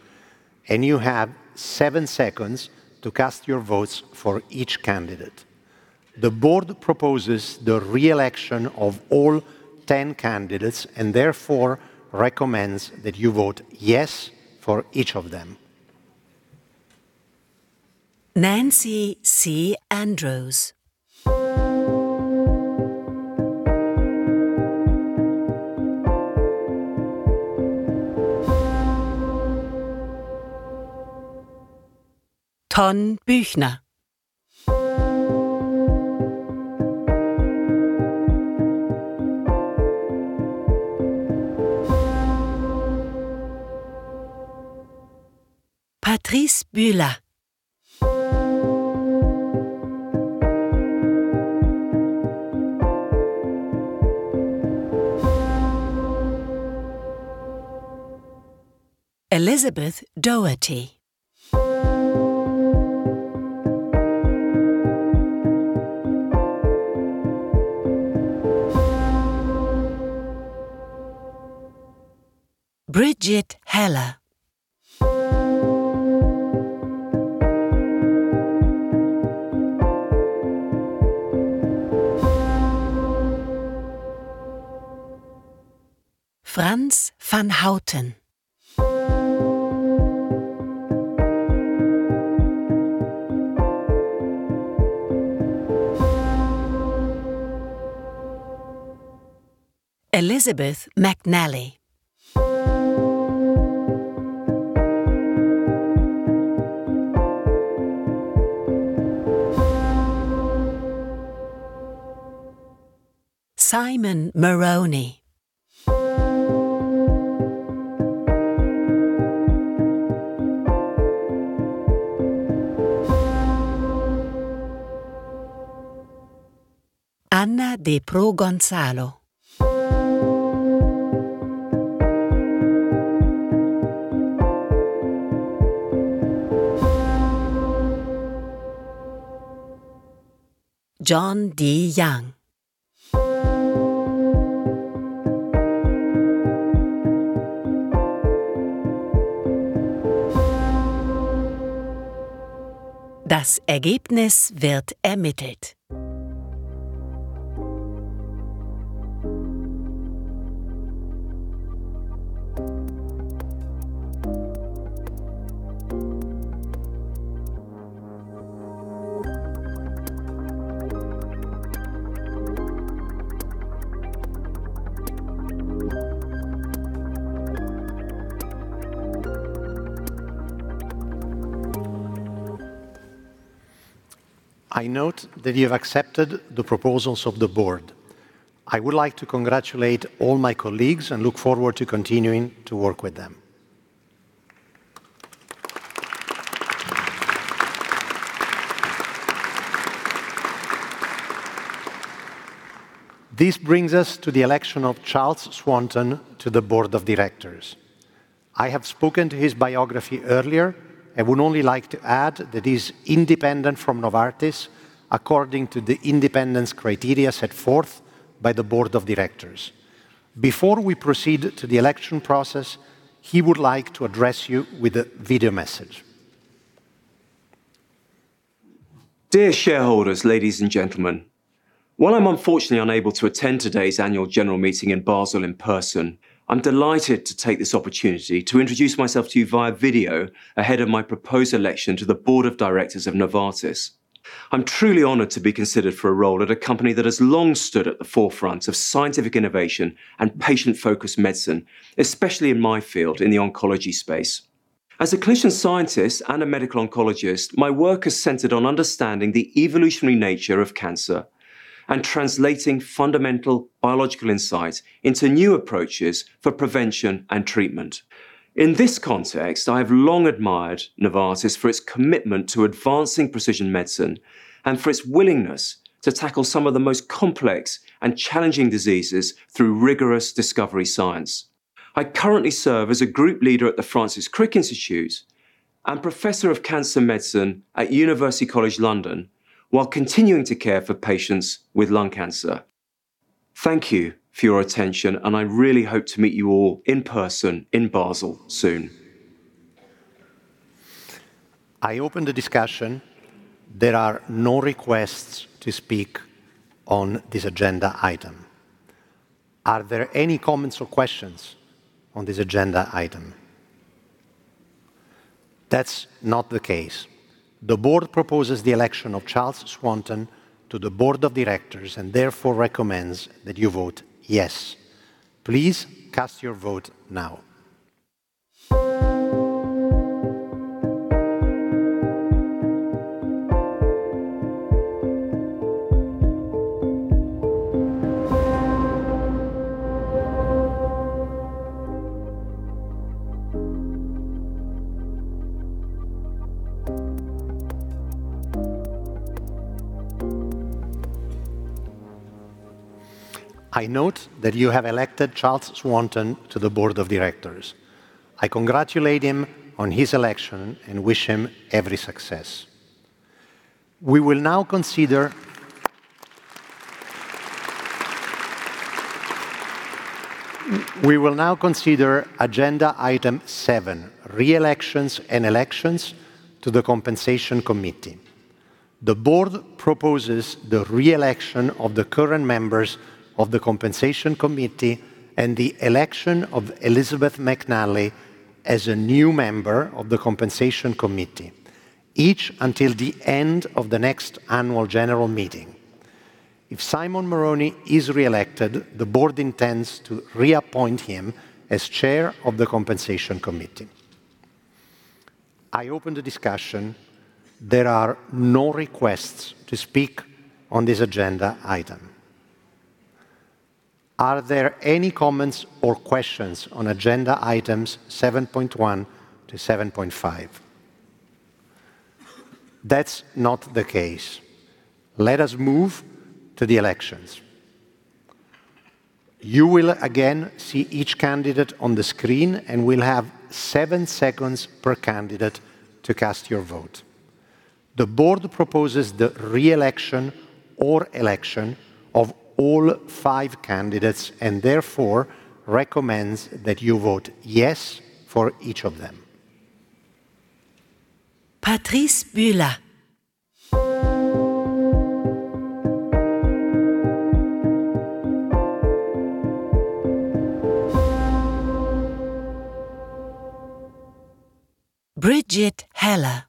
and you have seven seconds to cast your votes for each candidate. The board proposes the reelection of all 10 candidates and therefore recommends that you vote "Yes" for each of them. Nancy C. Andrews. Ton Büchner. Patrice Bula. Elizabeth Doherty. Bridgette Heller. Frans van Houten. Elizabeth McNally. Simon Moroney. Ana de Pro Gonzalo. John D. Young. Das Ergebnis wird ermittelt. I note that you have accepted the proposals of the Board. I would like to congratulate all my colleagues and look forward to continuing to work with them. This brings us to the election of Charles Swanton to the Board of Directors. I have spoken to his biography earlier and would only like to add that he's independent from Novartis according to the independence criteria set forth by the Board of Directors. Before we proceed to the election process, he would like to address you with a video message. Dear shareholders, ladies and gentlemen. While I'm unfortunately unable to attend today's Annual General Meeting in Basel in person, I'm delighted to take this opportunity to introduce myself to you via video ahead of my proposed election to the Board of Directors of Novartis. I'm truly honored to be considered for a role at a company that has long stood at the forefront of scientific innovation and patient-focused medicine, especially in my field in the oncology space. As a clinician scientist and a medical oncologist, my work is centered on understanding the evolutionary nature of cancer and translating fundamental biological insights into new approaches for prevention and treatment. In this context, I have long admired Novartis for its commitment to advancing precision medicine and for its willingness to tackle some of the most complex and challenging diseases through rigorous discovery science. I currently serve as a group leader at the Francis Crick Institute and professor of cancer medicine at University College London while continuing to care for patients with lung cancer. Thank you for your attention, I really hope to meet you all in person in Basel soon. I open the discussion. There are no requests to speak on this agenda item. Are there any comments or questions on this agenda item? That's not the case. The board proposes the election of Charles Swanton to the Board of Directors, and therefore recommends that you vote yes. Please cast your vote now. I note that you have elected Charles Swanton to the Board of Directors. I congratulate him on his election and wish him every success. We will now consider agenda item seven, reelections and elections to the Compensation Committee. The board proposes the reelection of the current members of the Compensation Committee and the election of Elizabeth McNally as a new member of the Compensation Committee, each until the end of the next Annual General Meeting. If Simon Moroney is reelected, the board intends to reappoint him as Chair of the Compensation Committee. I open the discussion. There are no requests to speak on this agenda item. Are there any comments or questions on agenda items 7.1 to 7.5? That's not the case. Let us move to the elections. You will again see each candidate on the screen, and we'll have seven seconds per candidate to cast your vote. The board proposes the reelection or election of all five candidates, and therefore recommends that you vote yes for each of them. Patrice Bula. Bridgette Heller.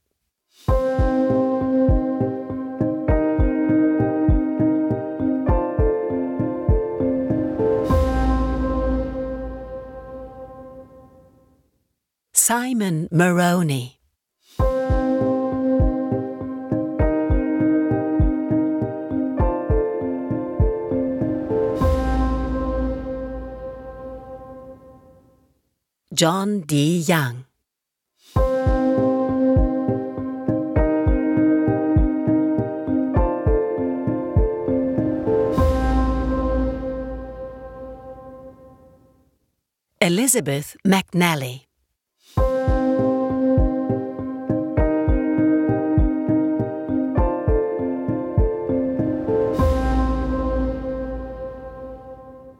Simon Moroney. John D. Young. Elizabeth McNally.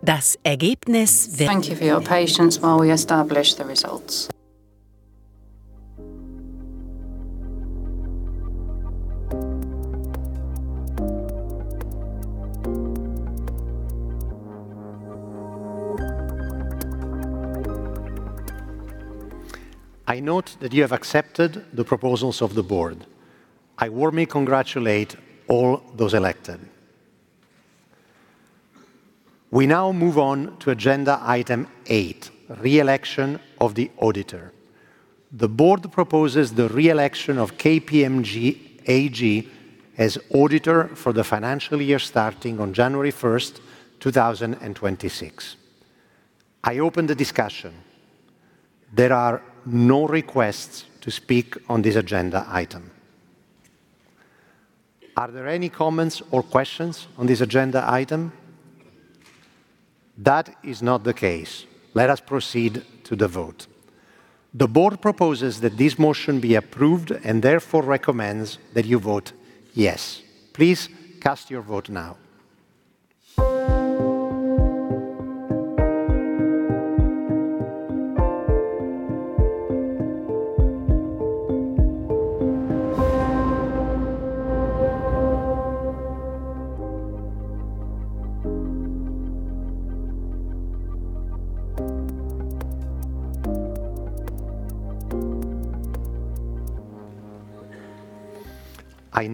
Das Ergebnis der- Thank you for your patience while we establish the results. I note that you have accepted the proposals of the board. I warmly congratulate all those elected. We now move on to agenda item eight, reelection of the auditor. The board proposes the reelection of KPMG AG as auditor for the financial year starting on January 1st, 2026. I open the discussion. There are no requests to speak on this agenda item. Are there any comments or questions on this agenda item? That is not the case. Let us proceed to the vote. The board proposes that this motion be approved and therefore recommends that you vote yes. Please cast your vote now.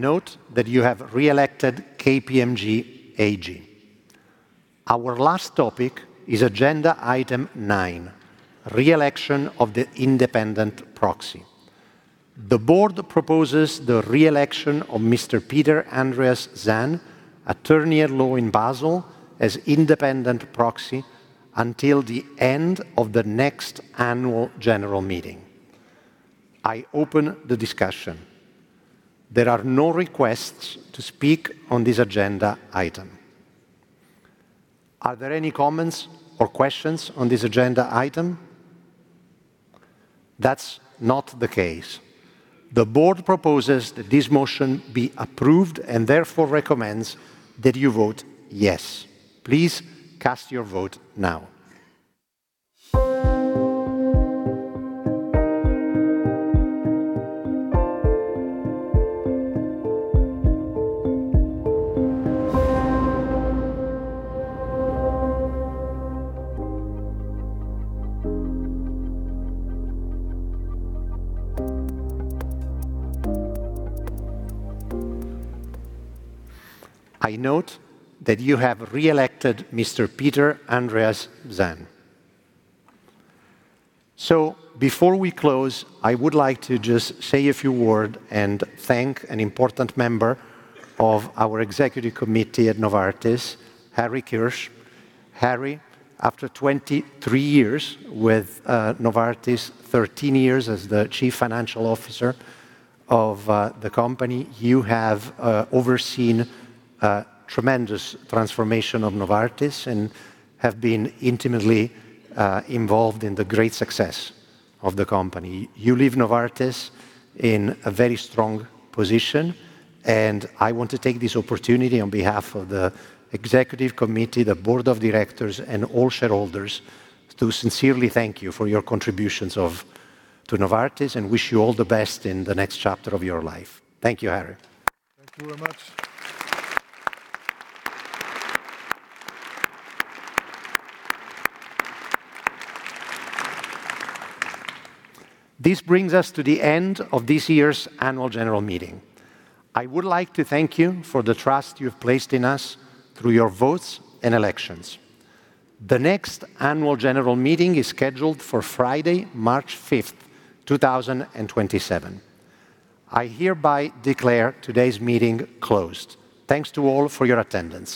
I note that you have reelected KPMG AG. Our last topic is agenda item nine, reelection of the independent proxy. The board proposes the reelection of Mr. Peter Andreas Zahner, attorney at law in Basel, as independent proxy until the end of the next Annual General Meeting. I open the discussion. There are no requests to speak on this agenda item. Are there any comments or questions on this agenda item? That's not the case. The board proposes that this motion be approved and therefore recommends that you vote yes. Please cast your vote now. I note that you have reelected Mr. Peter Andreas Zahner. Before we close, I would like to just say a few word and thank an important member of our executive committee at Novartis, Harry Kirsch. Harry, after 23 years with Novartis, 13 years as the chief financial officer of the company, you have overseen a tremendous transformation of Novartis and have been intimately involved in the great success of the company. You leave Novartis in a very strong position, and I want to take this opportunity on behalf of the executive committee, the board of directors, and all shareholders to sincerely thank you for your contributions to Novartis and wish you all the best in the next chapter of your life. Thank you, Harry. Thank you very much. This brings us to the end of this year's Annual General Meeting. I would like to thank you for the trust you have placed in us through your votes and elections. The next Annual General Meeting is scheduled for Friday, March 5, 2027. I hereby declare today's meeting closed. Thanks to all for your attendance.